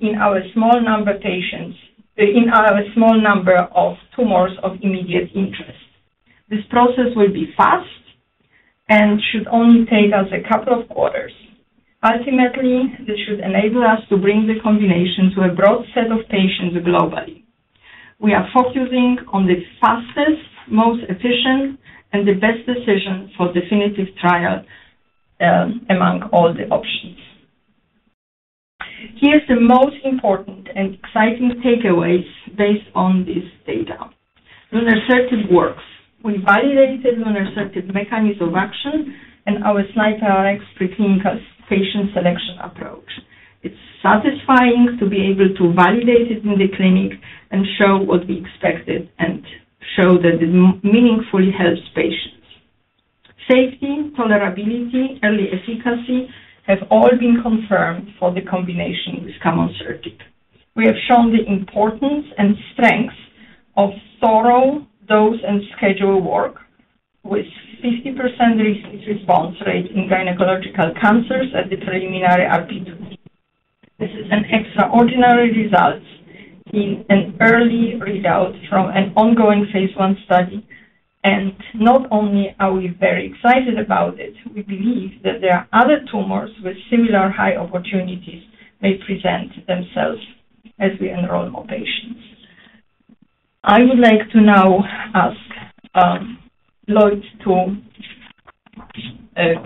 in our small number of patients, in our small number of tumors of immediate interest. This process will be fast and should only take us a couple of quarters. Ultimately, this should enable us to bring the combination to a broad set of patients globally. We are focusing on the fastest, most efficient, and the best decision for definitive trial, among all the options. Here is the most important and exciting takeaways based on this data. Lunresertib works. We validated lunresertib mechanism of action and our SNIPRx preclinical patient selection approach. It's satisfying to be able to validate it in the clinic, and show what we expected, and show that it meaningfully helps patients. Safety, tolerability, early efficacy have all been confirmed for the combination with camonsertib. We have shown the importance and strength of thorough dose and schedule work, with 50% recent response rate in gynecological cancers at the preliminary RP2D. This is an extraordinary result in an early readout from an ongoing phase I study, and not only are we very excited about it, we believe that there are other tumors with similar high opportunities may present themselves as we enroll more patients. I would like to now ask Lloyd to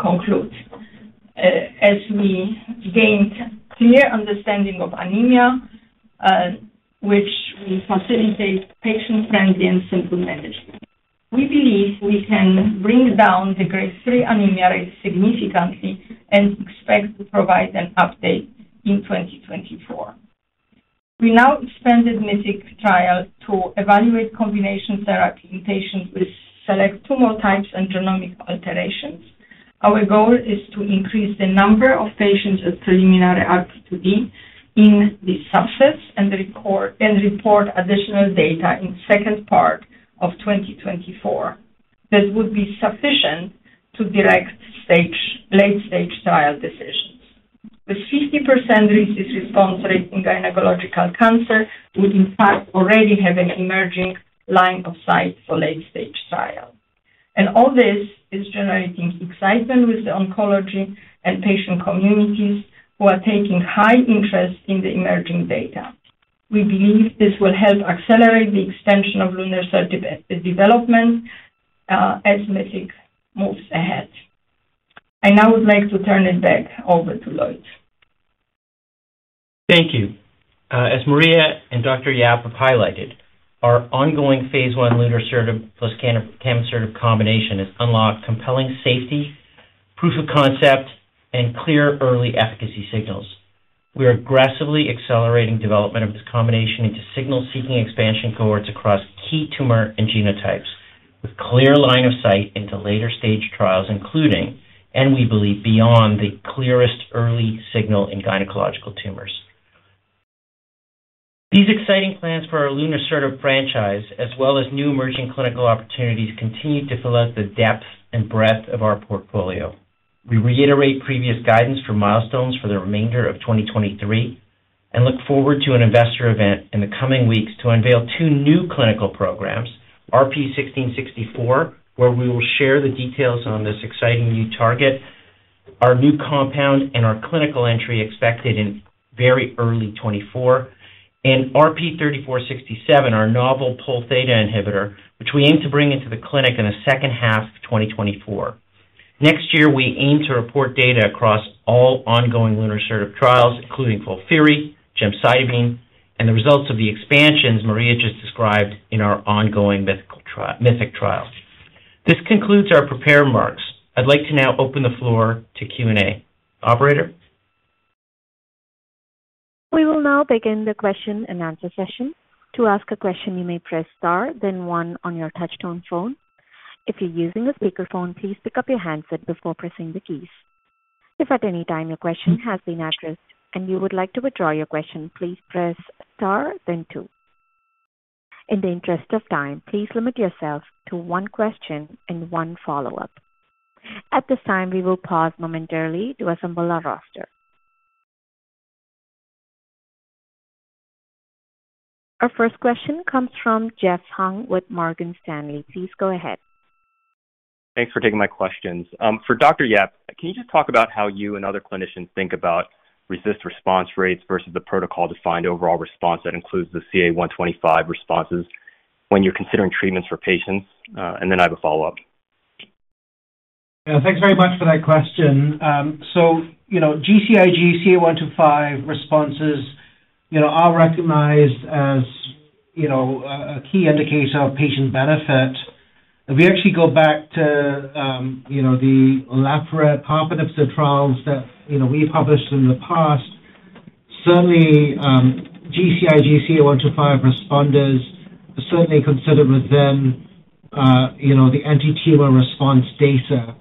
conclude. As we gained clear understanding of anemia, which will facilitate patient-friendly and simple management, we believe we can bring down the grade 3 anemia rate significantly and expect to provide an update in 2024. We now expanded MYTHIC trial to evaluate combination therapy in patients with select tumor types and genomic alterations. Our goal is to increase the number of patients at preliminary RP2D in these subsets, and record and report additional data in second part of 2024. This would be sufficient to direct late-stage trial decisions. The 50% recent response rate in gynecological cancer would, in fact, already have an emerging line of sight for late-stage trial. And all this is generating excitement with the oncology and patient communities, who are taking high interest in the emerging data. We believe this will help accelerate the extension of lunresertib as the development as MYTHIC moves ahead. I now would like to turn it back over to Lloyd. Thank you. As Maria and Dr. Yap have highlighted, our ongoing phase 1 lunresertib plus camonsertib combination has unlocked compelling safety, proof of concept, and clear early efficacy signals. We are aggressively accelerating development of this combination into signal-seeking expansion cohorts across key tumor and genotypes, with clear line of sight into later-stage trials, including, and we believe, beyond the clearest early signal in gynecological tumors. These exciting plans for our lunresertib franchise, as well as new emerging clinical opportunities, continue to fill out the depth and breadth of our portfolio. We reiterate previous guidance for milestones for the remainder of 2023, and look forward to an investor event in the coming weeks to unveil two new clinical programs: RP-1664, where we will share the details on this exciting new target, our new compound, and our clinical entry expected in very early 2024. RP-3467, our novel Polθ inhibitor, which we aim to bring into the clinic in the second half of 2024. Next year, we aim to report data across all ongoing lunresertib trials, including fulvestrant, gemcitabine, and the results of the expansions Maria just described in our ongoing MYTHIC trial. This concludes our prepared remarks. I'd like to now open the floor to Q&A. Operator? We will now begin the question-and-answer session. To ask a question, you may press star, then one on your touchtone phone. If you're using a speakerphone, please pick up your handset before pressing the keys. If at any time your question has been addressed and you would like to withdraw your question, please press star then two. In the interest of time, please limit yourself to one question and one follow-up. At this time, we will pause momentarily to assemble our roster. Our first question comes from Jeff Hung with Morgan Stanley. Please go ahead. Thanks for taking my questions. For Dr. Yap, can you just talk about how you and other clinicians think about RECIST response rates versus the protocol-defined overall response that includes the CA-125 responses when you're considering treatments for patients? And then I have a follow-up. Yeah, thanks very much for that question. So, you know, GCIG CA-125 responses, you know, are recognized as, you know, a key indicator of patient benefit. If we actually go back to, you know, the olaparib palbociclib trials that, you know, we published in the past, certainly, GCIG CA-125 responders are certainly considered within, you know, the antitumor response data.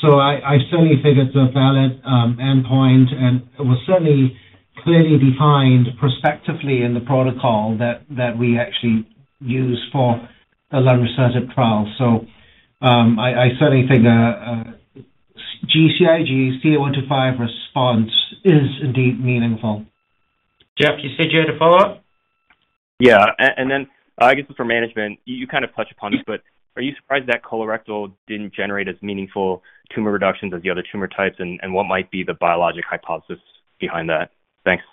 So I certainly think it's a valid endpoint, and it was certainly clearly defined prospectively in the protocol that we actually use for the lunresertib trial. So, I certainly think a GCIG CA-125 response is indeed meaningful. Jeff, you said you had a follow-up? Yeah. And then I guess for management, you kind of touched upon this, but are you surprised that colorectal didn't generate as meaningful tumor reductions as the other tumor types? And what might be the biologic hypothesis behind that? Thanks.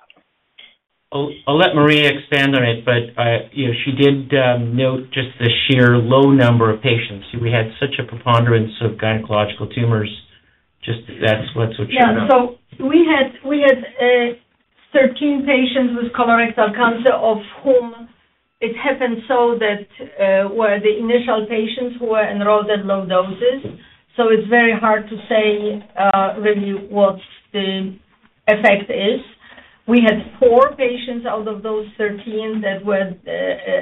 I'll let Maria expand on it, but you know, she did note just the sheer low number of patients. We had such a preponderance of gynecological tumors, just that's what's with colorectal. Yeah. So we had thirteen patients with colorectal cancer, of whom it happened so that were the initial patients who were enrolled at low doses. So it's very hard to say really what the effect is. We had four patients out of those 13 that were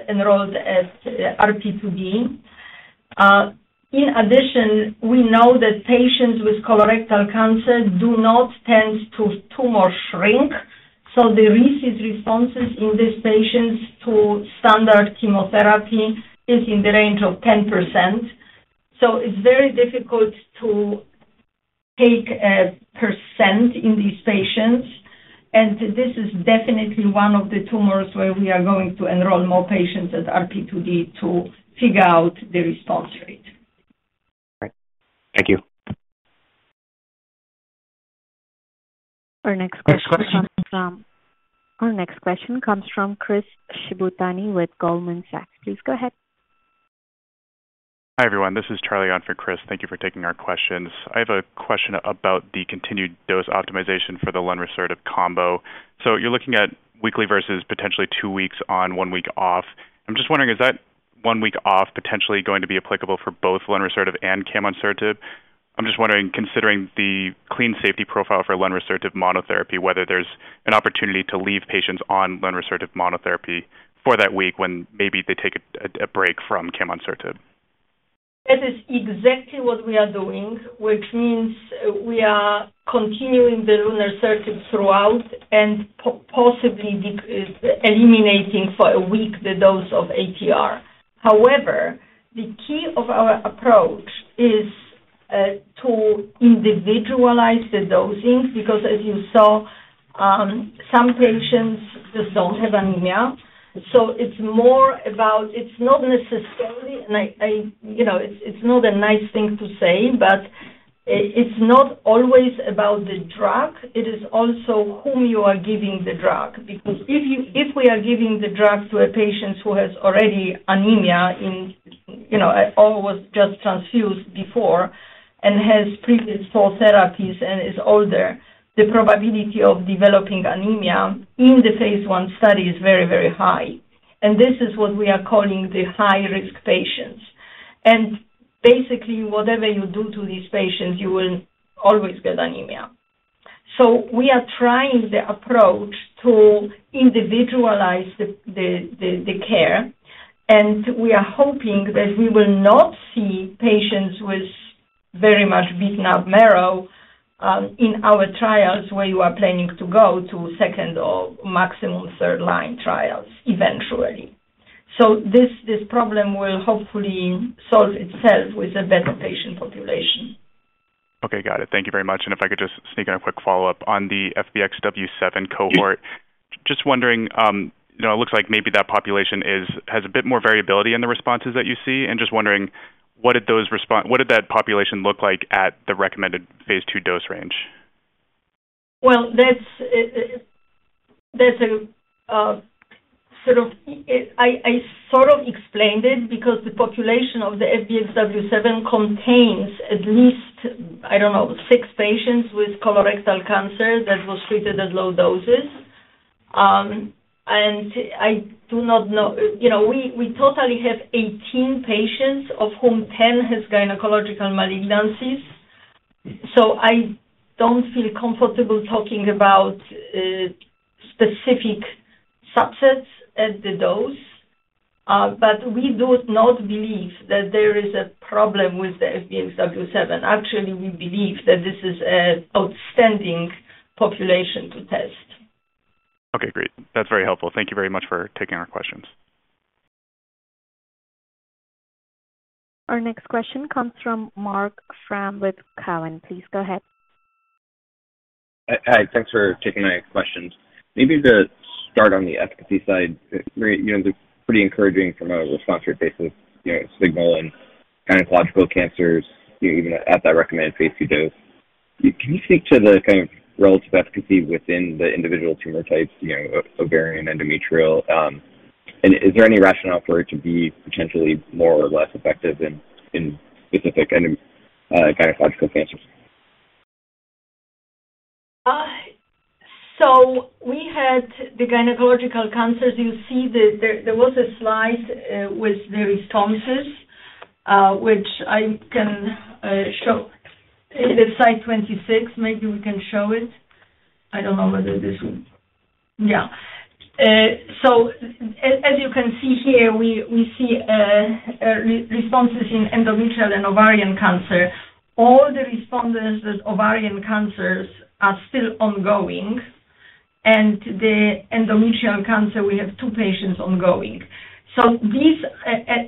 enrolled as RP2D. In addition, we know that patients with colorectal cancer do not tend to tumor shrink, so the recent responses in these patients to standard chemotherapy is in the range of 10%. So it's very difficult to take a percent in these patients, and this is definitely one of the tumors where we are going to enroll more patients as RP2D to figure out the response rate. Great. Thank you. Our next question comes from- Next question. Our next question comes from Chris Shibutani with Goldman Sachs. Please go ahead. Hi, everyone. This is Charlie on for Chris. Thank you for taking our questions. I have a question about the continued dose optimization for the lunresertib combo. You're looking at weekly versus potentially two weeks on, one week off. I'm just wondering, is that one week off potentially going to be applicable for both lunresertib and camonsertib? I'm just wondering, considering the clean safety profile for lunresertib monotherapy, whether there's an opportunity to leave patients on lunresertib monotherapy for that week when maybe they take a break from camonsertib. That is exactly what we are doing, which means we are continuing the lunresertib throughout and possibly eliminating for a week the dose of ATR. However, the key of our approach is to individualize the dosing, because as you saw, some patients just don't have anemia. So it's more about—it's not necessarily, and I, I, you know, it's, it's not a nice thing to say, but it's not always about the drug, it is also whom you are giving the drug. Because if you, if we are giving the drug to a patient who has already anemia in, you know, or was just transfused before and has previous four therapies and is older, the probability of developing anemia in the phase one study is very, very high. And this is what we are calling the high-risk patients. Basically, whatever you do to these patients, you will always get anemia. So we are trying the approach to individualize the care, and we are hoping that we will not see patients with very much beaten-up marrow in our trials, where you are planning to go to second or maximum third-line trials eventually. So this problem will hopefully solve itself with a better patient population. Okay, got it. Thank you very much, and if I could just sneak in a quick follow-up. On the FBXW7 cohort- Yeah. Just wondering, you know, it looks like maybe that population has a bit more variability in the responses that you see, and just wondering, what did that population look like at the recommended phase 2 dose range? Well, that's a sort of I sort of explained it because the population of the FBXW7 contains at least, I don't know, six patients with colorectal cancer that was treated at low doses. And I do not know-- You know, we totally have 18 patients, of whom 10 has gynecological malignancies, so I don't feel comfortable talking about specific subsets at the dose. But we do not believe that there is a problem with the FBXW7. Actually, we believe that this is an outstanding population to test. Okay, great. That's very helpful. Thank you very much for taking our questions. Our next question comes from Marc Frahm with Cowen. Please go ahead. Hi, thanks for taking my questions. Maybe to start on the efficacy side, you know, pretty encouraging from a response rate, basic, you know, signal in gynecological cancers, you know, even at that recommended phase two dose. Can you speak to the kind of relative efficacy within the individual tumor types, you know, ovarian, endometrial, and is there any rationale for it to be potentially more or less effective in, in specific, any, you know, gynecological cancers? So we had the gynecological cancers. You see, there was a slide with the responses, which I can show. It's slide 26. Maybe we can show it. I don't know whether this will... Yeah. So as you can see here, we see responses in endometrial and ovarian cancer. All the responses with ovarian cancers are still ongoing, and the endometrial cancer, we have two patients ongoing. So these,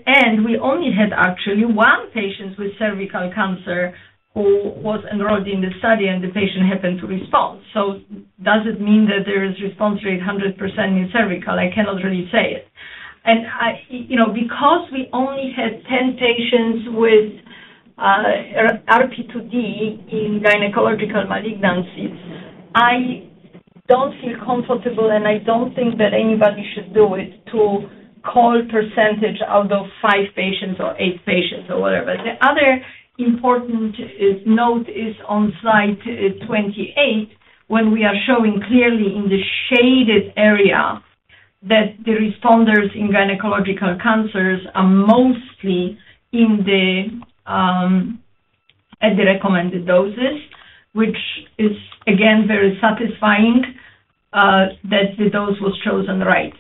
and we only had actually one patient with cervical cancer who was enrolled in the study, and the patient happened to respond. So does it mean that there is response rate 100% in cervical? I cannot really say it. I, you know, because we only had 10 patients with RP2D in gynecological malignancies, I don't feel comfortable, and I don't think that anybody should do it, to call percentage out of 5 patients or 8 patients or whatever. The other important note is on slide 28, when we are showing clearly in the shaded area that the responders in gynecological cancers are mostly at the recommended doses, which is, again, very satisfying that the dose was chosen right.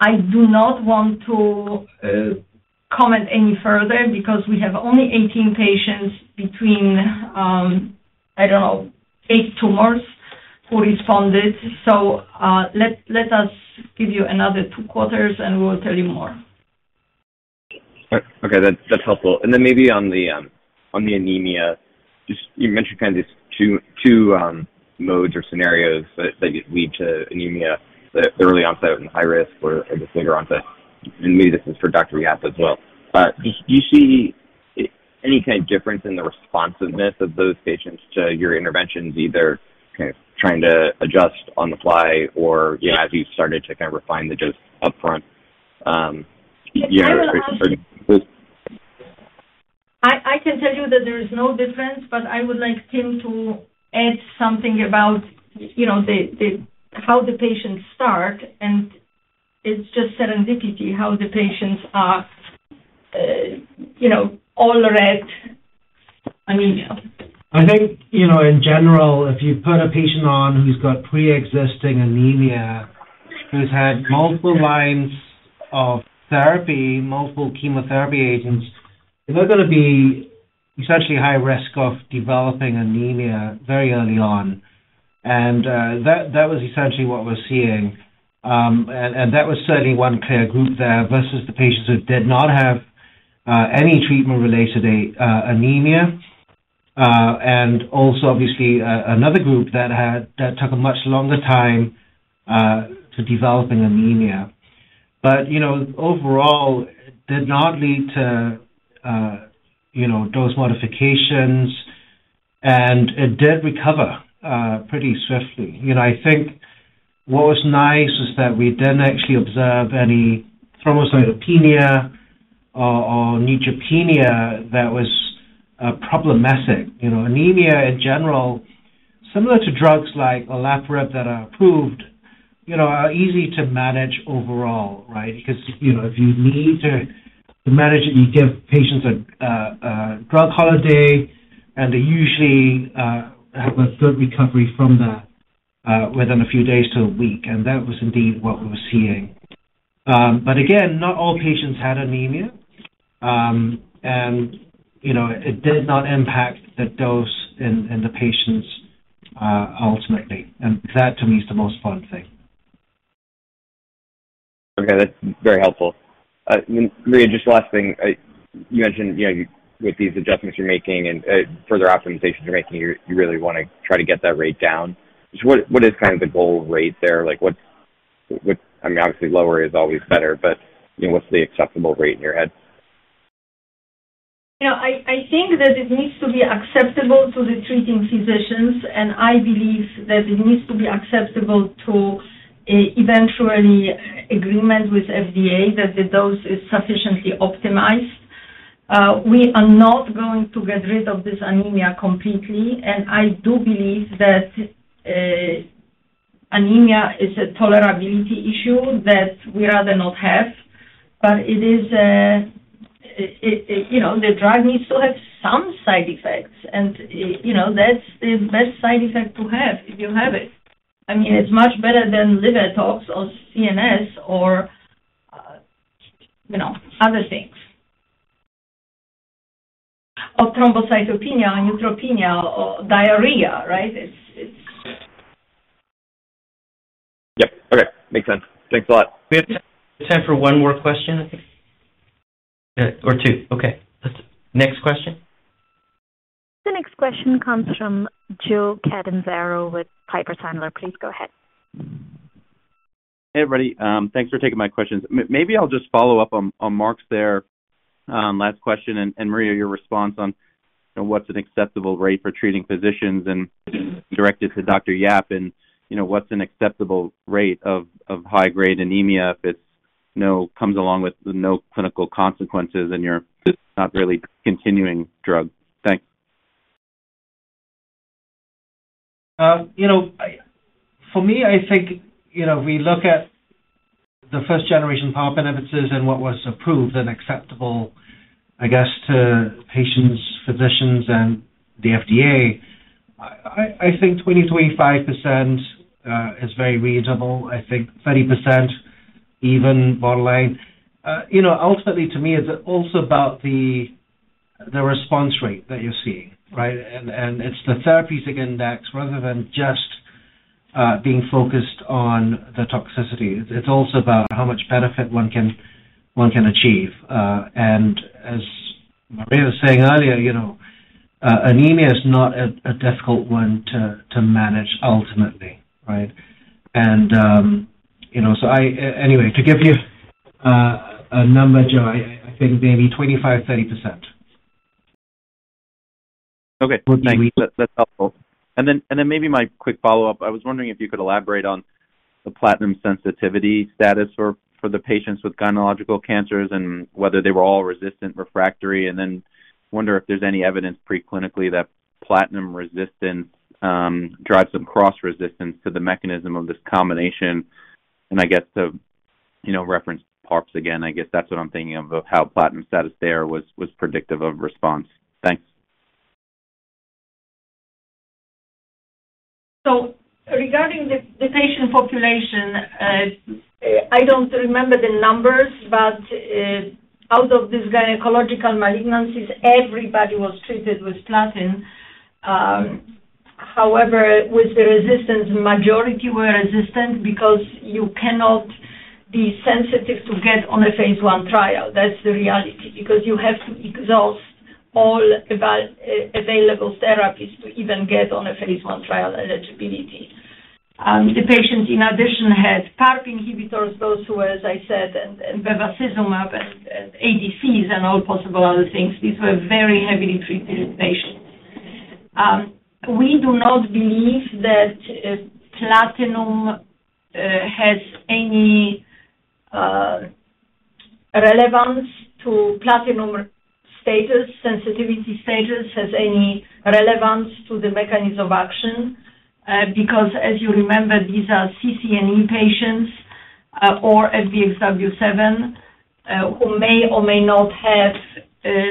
I do not want to comment any further because we have only 18 patients between, I don't know, 8 tumors, who responded. Let us give you another two quarters, and we will tell you more. Okay, that's helpful. And then maybe on the anemia, just you mentioned kind of these two modes or scenarios that lead to anemia, the early onset and high risk or the later onset. And maybe this is for Dr. Yap as well. Do you see any kind of difference in the responsiveness of those patients to your interventions, either kind of trying to adjust on the fly or, you know, as you started to kind of refine the dose up front, you know? I can tell you that there is no difference, but I would like him to add something about, you know, how the patients start, and it's just serendipity how the patients are, you know, already anemia. I think, you know, in general, if you put a patient on who's got preexisting anemia, who's had multiple lines of therapy, multiple chemotherapy agents, they're gonna be essentially high risk of developing anemia very early on. And that was essentially what we're seeing. And that was certainly one clear group there versus the patients who did not have any treatment related anemia. And also, obviously, another group that took a much longer time to develop an anemia. But, you know, overall, it did not lead to, you know, dose modifications, and it did recover pretty swiftly. You know, I think what was nice is that we didn't actually observe any thrombocytopenia or neutropenia that was problematic. You know, anemia, in general, similar to drugs like olaparib that are approved, you know, are easy to manage overall, right? Because, you know, if you need to manage it, you give patients a drug holiday, and they usually have a good recovery from that within a few days to a week, and that was indeed what we were seeing. But again, not all patients had anemia. And, you know, it did not impact the dose in the patients ultimately, and that, to me, is the most fun thing. Okay, that's very helpful. Maria, just last thing. You mentioned, you know, with these adjustments you're making and further optimizations you're making, you really wanna try to get that rate down. Just what is kind of the goal rate there? Like, what's what... I mean, obviously, lower is always better, but you know, what's the acceptable rate in your head? You know, I think that it needs to be acceptable to the treating physicians, and I believe that it needs to be acceptable to eventual agreement with FDA that the dose is sufficiently optimized. We are not going to get rid of this anemia completely, and I do believe that anemia is a tolerability issue that we rather not have. But it is, you know, the drug needs to have some side effects, and, you know, that's the best side effect to have if you have it. I mean, it's much better than liver tox or CNS or, you know, other things. Or thrombocytopenia, neutropenia, or diarrhea, right? It's, it's- Yep. Okay. Makes sense. Thanks a lot. We have time for one more question, I think. Yeah, or two. Okay, let's... Next question. The next question comes from Joe Catanzaro with Piper Sandler. Please go ahead. Hey, everybody. Thanks for taking my questions. Maybe I'll just follow up on, on Marc's there, last question, and, and Maria, your response on, you know, what's an acceptable rate for treating physicians and directed to Dr. Yap and, you know, what's an acceptable rate of, of high-grade anemia if it's no-- comes along with no clinical consequences and you're just not really continuing drug? Thanks. You know, for me, I think, you know, we look at the first-generation PARP inhibitors and what was approved and acceptable, I guess, to patients, physicians, and the FDA. I think 20-25% is very reasonable. I think 30% even borderline. You know, ultimately to me, it's also about the response rate that you're seeing, right? And it's the therapeutic index rather than just being focused on the toxicity. It's also about how much benefit one can achieve. And as Maria was saying earlier, you know, anemia is not a difficult one to manage ultimately, right? And, you know, so anyway, to give you a number, Joe, I think maybe 25-30%. Okay. Well, thank you. That, that's helpful. And then, and then maybe my quick follow-up, I was wondering if you could elaborate on the platinum sensitivity status for, for the patients with gynecological cancers and whether they were all resistant, refractory, and then wonder if there's any evidence preclinically that platinum resistance drives some cross-resistance to the mechanism of this combination. And I guess the, you know, reference PARPs again, I guess that's what I'm thinking of, how platinum status there was, was predictive of response. Thanks. So regarding the patient population, I don't remember the numbers, but out of these gynecological malignancies, everybody was treated with platinum. However, with the resistance, majority were resistant because you cannot be sensitive to get on a phase 1 trial. That's the reality, because you have to exhaust all available therapies to even get on a phase 1 trial eligibility. The patient, in addition, had PARP inhibitors, those who, as I said, and bevacizumab and ADCs and all possible other things. These were very heavily treated patients. We do not believe that platinum has any relevance to platinum status, sensitivity status, has any relevance to the mechanism of action. Because as you remember, these are CCNE patients or FBXW7 who may or may not have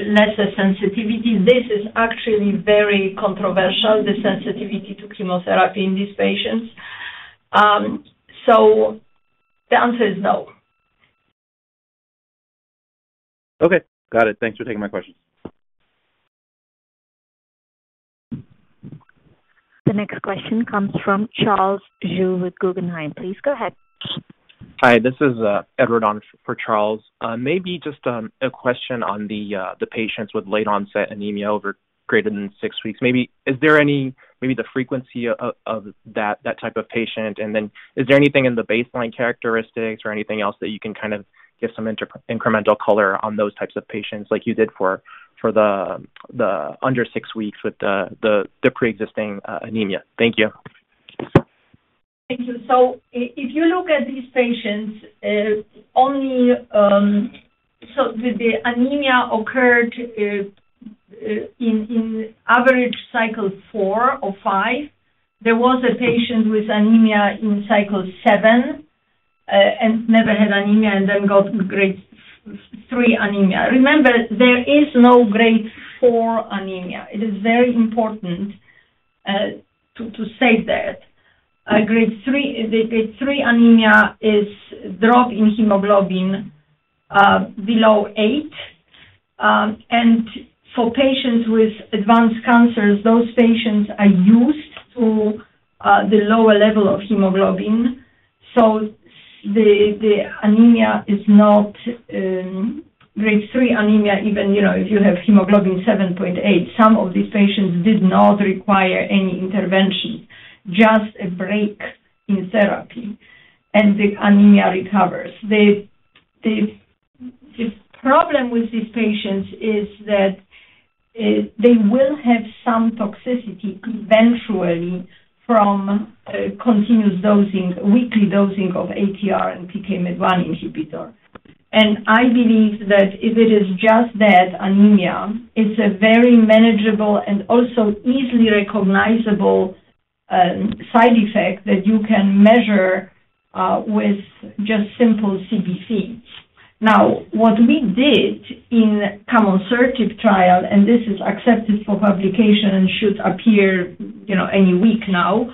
lesser sensitivity. This is actually very controversial, the sensitivity to chemotherapy in these patients. So the answer is no.... Okay, got it. Thanks for taking my question. The next question comes from Charles Zhu with Guggenheim. Please go ahead. Hi, this is Edward on for Charles. Maybe just a question on the patients with late-onset anemia over greater than 6 weeks. Is there any frequency of that type of patient? And then is there anything in the baseline characteristics or anything else that you can kind of give some incremental color on those types of patients, like you did for the under 6 weeks with the preexisting anemia? Thank you. Thank you. So if you look at these patients, in average cycle 4 or 5. There was a patient with anemia in cycle 7, and never had anemia and then got grade three anemia. Remember, there is no grade 4 anemia. It is very important to say that. Grade 3 anemia is drop in hemoglobin below 8. And for patients with advanced cancers, those patients are used to the lower level of hemoglobin, so the anemia is not grade 3 anemia, even, you know, if you have hemoglobin 7.8. Some of these patients did not require any intervention, just a break in therapy, and the anemia recovers. The problem with these patients is that they will have some toxicity eventually from continuous dosing, weekly dosing of ATR and PKMYT1 inhibitor. And I believe that if it is just that anemia, it's a very manageable and also easily recognizable side effect that you can measure with just simple CBC. Now, what we did in camonsertib trial, and this is accepted for publication and should appear, you know, any week now,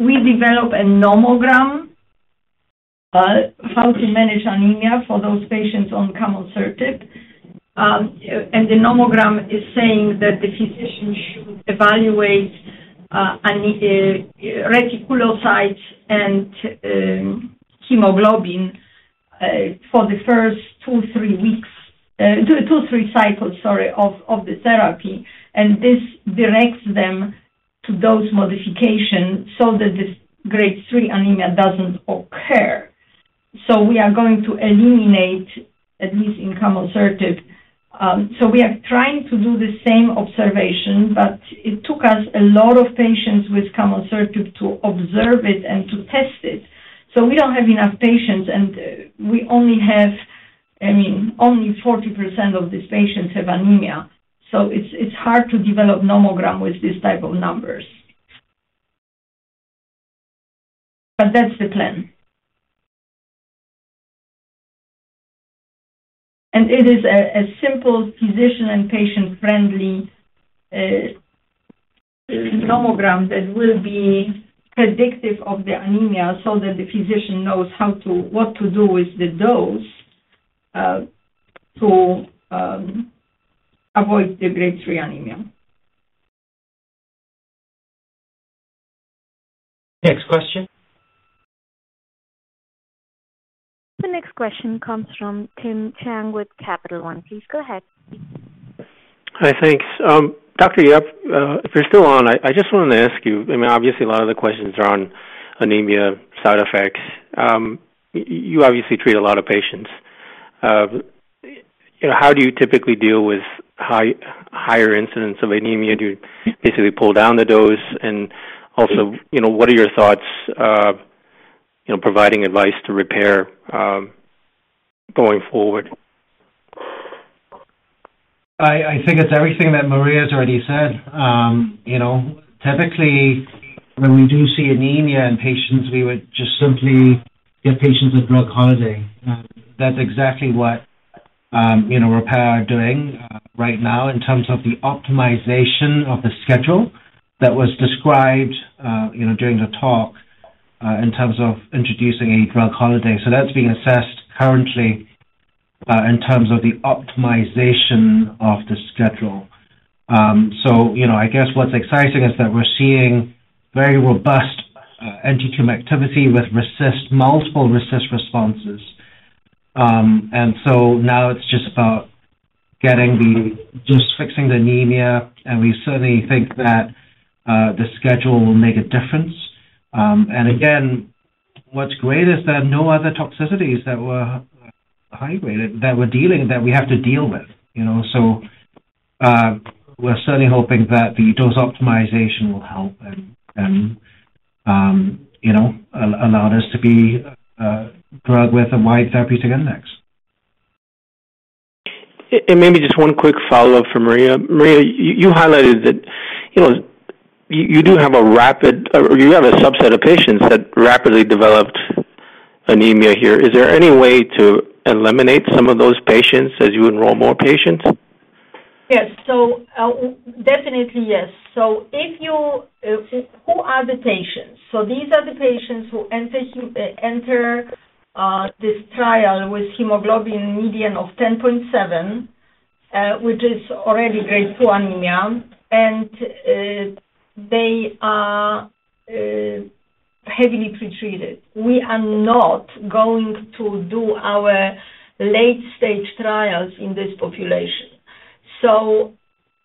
we developed a nomogram how to manage anemia for those patients on camonsertib. And the nomogram is saying that the physician should evaluate anemia, reticulocytes and hemoglobin for the first two, three weeks, two, three cycles, sorry, of the therapy. And this directs them to dose modification so that this grade 3 anemia doesn't occur. So we are going to eliminate, at least in camonsertib. So we are trying to do the same observation, but it took us a lot of patients with camonsertib to observe it and to test it. So we don't have enough patients, and we only have, I mean, only 40% of these patients have anemia, so it's hard to develop nomogram with these type of numbers. But that's the plan. And it is a simple physician and patient friendly nomogram that will be predictive of the anemia so that the physician knows how to- what to do with the dose, to avoid the grade 3 anemia. Next question? The next question comes from Tim Chiang with Capital One. Please go ahead. Hi, thanks. Dr. Yap, if you're still on, I just wanted to ask you, I mean, obviously, a lot of the questions are on anemia side effects. You obviously treat a lot of patients. You know, how do you typically deal with higher incidence of anemia? Do you basically pull down the dose? And also, you know, what are your thoughts, you know, providing advice to Repare, going forward? I think it's everything that Maria's already said. You know, typically, when we do see anemia in patients, we would just simply give patients a drug holiday. That's exactly what, you know, Repare are doing, right now in terms of the optimization of the schedule that was described, you know, during the talk, in terms of introducing a drug holiday. So that's being assessed currently, in terms of the optimization of the schedule. So, you know, I guess what's exciting is that we're seeing very robust, anti-tumor activity with RECIST, multiple RECIST responses. And so now it's just about getting the... Just fixing the anemia, and we certainly think that, the schedule will make a difference. And again, what's great is that no other toxicities that were high-grade, that we're dealing, that we have to deal with, you know? So, we're certainly hoping that the dose optimization will help and, and, you know, allow this to be a drug with a wide therapeutic index. Maybe just one quick follow-up for Maria. Maria, you highlighted that, you know, you do have a rapid, or you have a subset of patients that rapidly developed anemia here. Is there any way to eliminate some of those patients as you enroll more patients? Yes, so, definitely, yes. So if you, who are the patients? So these are the patients who enter this trial with hemoglobin median of 10.7, which is already grade two anemia, and they are heavily pretreated. We are not going to do our late-stage trials in this population. So,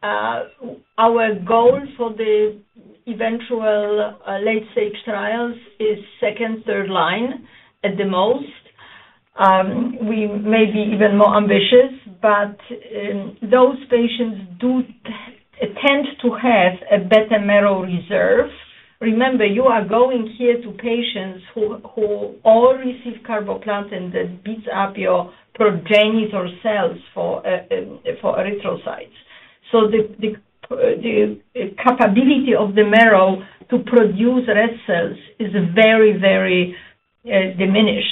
our goal for the eventual late-stage trials is second, third line at the most. We may be even more ambitious, but those patients do tend to have a better marrow reserve. Remember, you are going here to patients who all receive carboplatin that beats up your progenitor cells for erythrocytes. So the capability of the marrow to produce red cells is very, very diminished.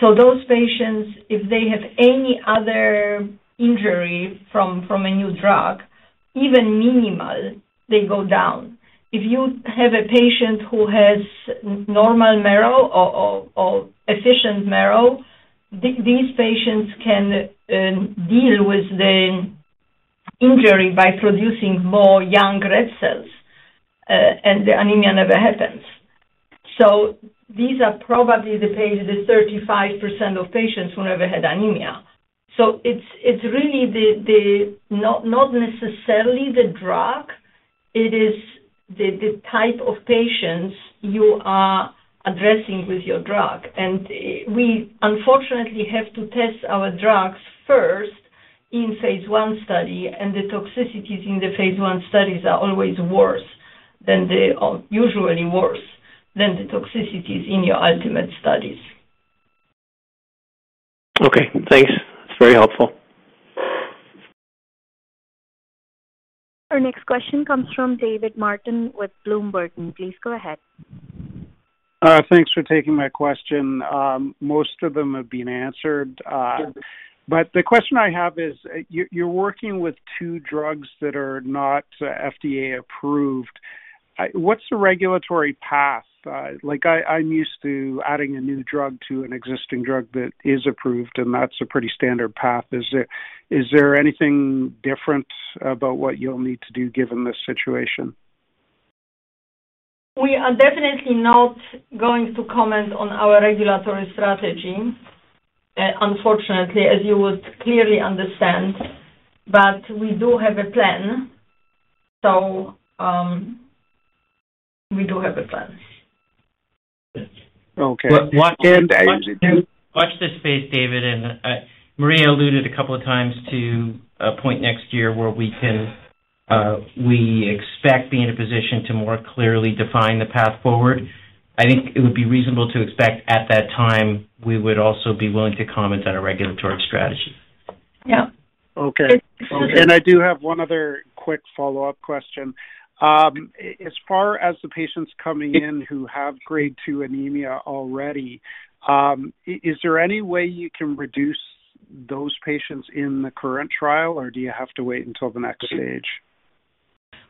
So those patients, if they have any other injury from a new drug, even minimal, they go down. If you have a patient who has normal marrow or efficient marrow, these patients can deal with the injury by producing more young red cells, and the anemia never happens. So these are probably the patients, the 35% of patients who never had anemia. So it's really the... Not necessarily the drug. It is the type of patients you are addressing with your drug. And we unfortunately have to test our drugs first in phase 1 study, and the toxicities in the phase 1 studies are always worse than the, or usually worse, than the toxicities in your ultimate studies. Okay, thanks. It's very helpful. Our next question comes from David Martin with Bloom Burton. Please go ahead. Thanks for taking my question. Most of them have been answered. Good. But the question I have is, you're working with two drugs that are not FDA approved. What's the regulatory path? Like, I'm used to adding a new drug to an existing drug that is approved, and that's a pretty standard path. Is there anything different about what you'll need to do given this situation? We are definitely not going to comment on our regulatory strategy, unfortunately, as you would clearly understand. But we do have a plan, so, we do have a plan. Okay. Watch this space, David, and Maria alluded a couple of times to a point next year where we can, we expect be in a position to more clearly define the path forward. I think it would be reasonable to expect at that time, we would also be willing to comment on a regulatory strategy. Yeah. Okay. And I do have one other quick follow-up question. As far as the patients coming in who have grade 2 anemia already, is there any way you can reduce those patients in the current trial, or do you have to wait until the next stage?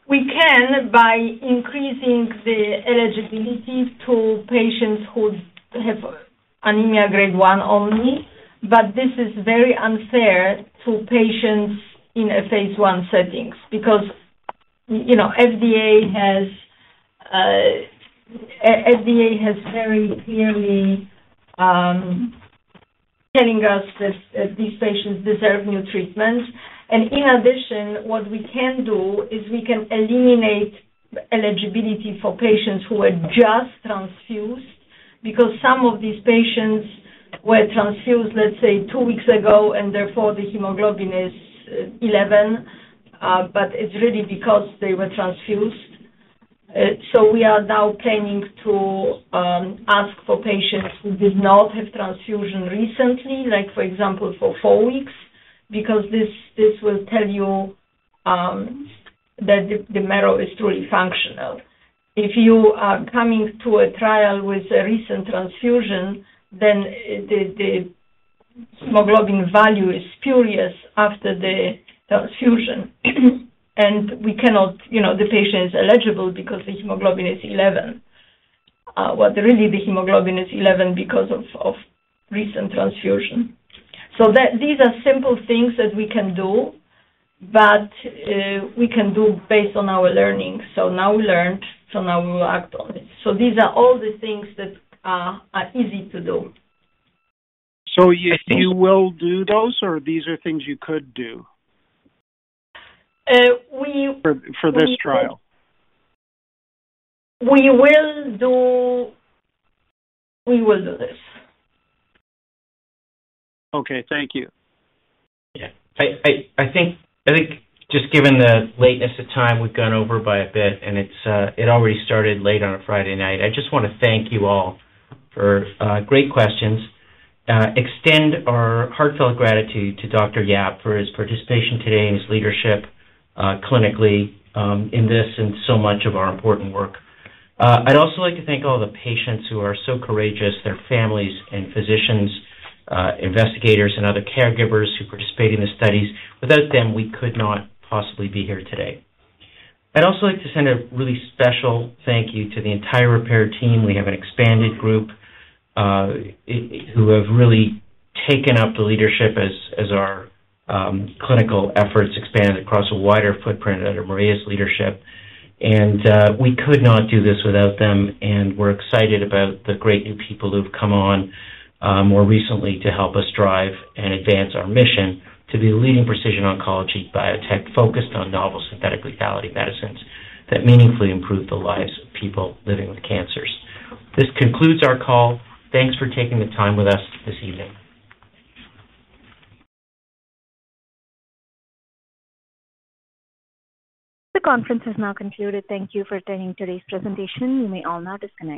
We can by increasing the eligibility to patients who have anemia grade 1 only, but this is very unfair to patients in a phase 1 setting. Because, you know, FDA has very clearly telling us that these patients deserve new treatments. And in addition, what we can do is we can eliminate eligibility for patients who are just transfused, because some of these patients were transfused, let's say, 2 weeks ago, and therefore, the hemoglobin is 11, but it's really because they were transfused. So we are now planning to ask for patients who did not have transfusion recently, like, for example, 4 weeks, because this will tell you that the marrow is truly functional. If you are coming to a trial with a recent transfusion, then the hemoglobin value is spurious after the transfusion. We cannot, you know, the patient is eligible because the hemoglobin is 11. But really, the hemoglobin is 11 because of recent transfusion. So that these are simple things that we can do, but we can do based on our learning. So now we learned, so now we will act on it. So these are all the things that are easy to do. So you will do those, or these are things you could do? Uh, we- For this trial. We will do... We will do this. Okay, thank you. Yeah. I think just given the lateness of time, we've gone over by a bit, and it already started late on a Friday night. I just want to thank you all for great questions. Extend our heartfelt gratitude to Dr. Yap for his participation today and his leadership, clinically, in this and so much of our important work. I'd also like to thank all the patients who are so courageous, their families and physicians, investigators, and other caregivers who participate in the studies. Without them, we could not possibly be here today. I'd also like to send a really special thank you to the entire Repare team. We have an expanded group who have really taken up the leadership as our clinical efforts expanded across a wider footprint under Maria's leadership, and we could not do this without them. And we're excited about the great new people who've come on more recently to help us drive and advance our mission to be the leading precision oncology biotech focused on novel synthetic lethality medicines that meaningfully improve the lives of people living with cancers. This concludes our call. Thanks for taking the time with us this evening. The conference has now concluded. Thank you for attending today's presentation. You may all now disconnect.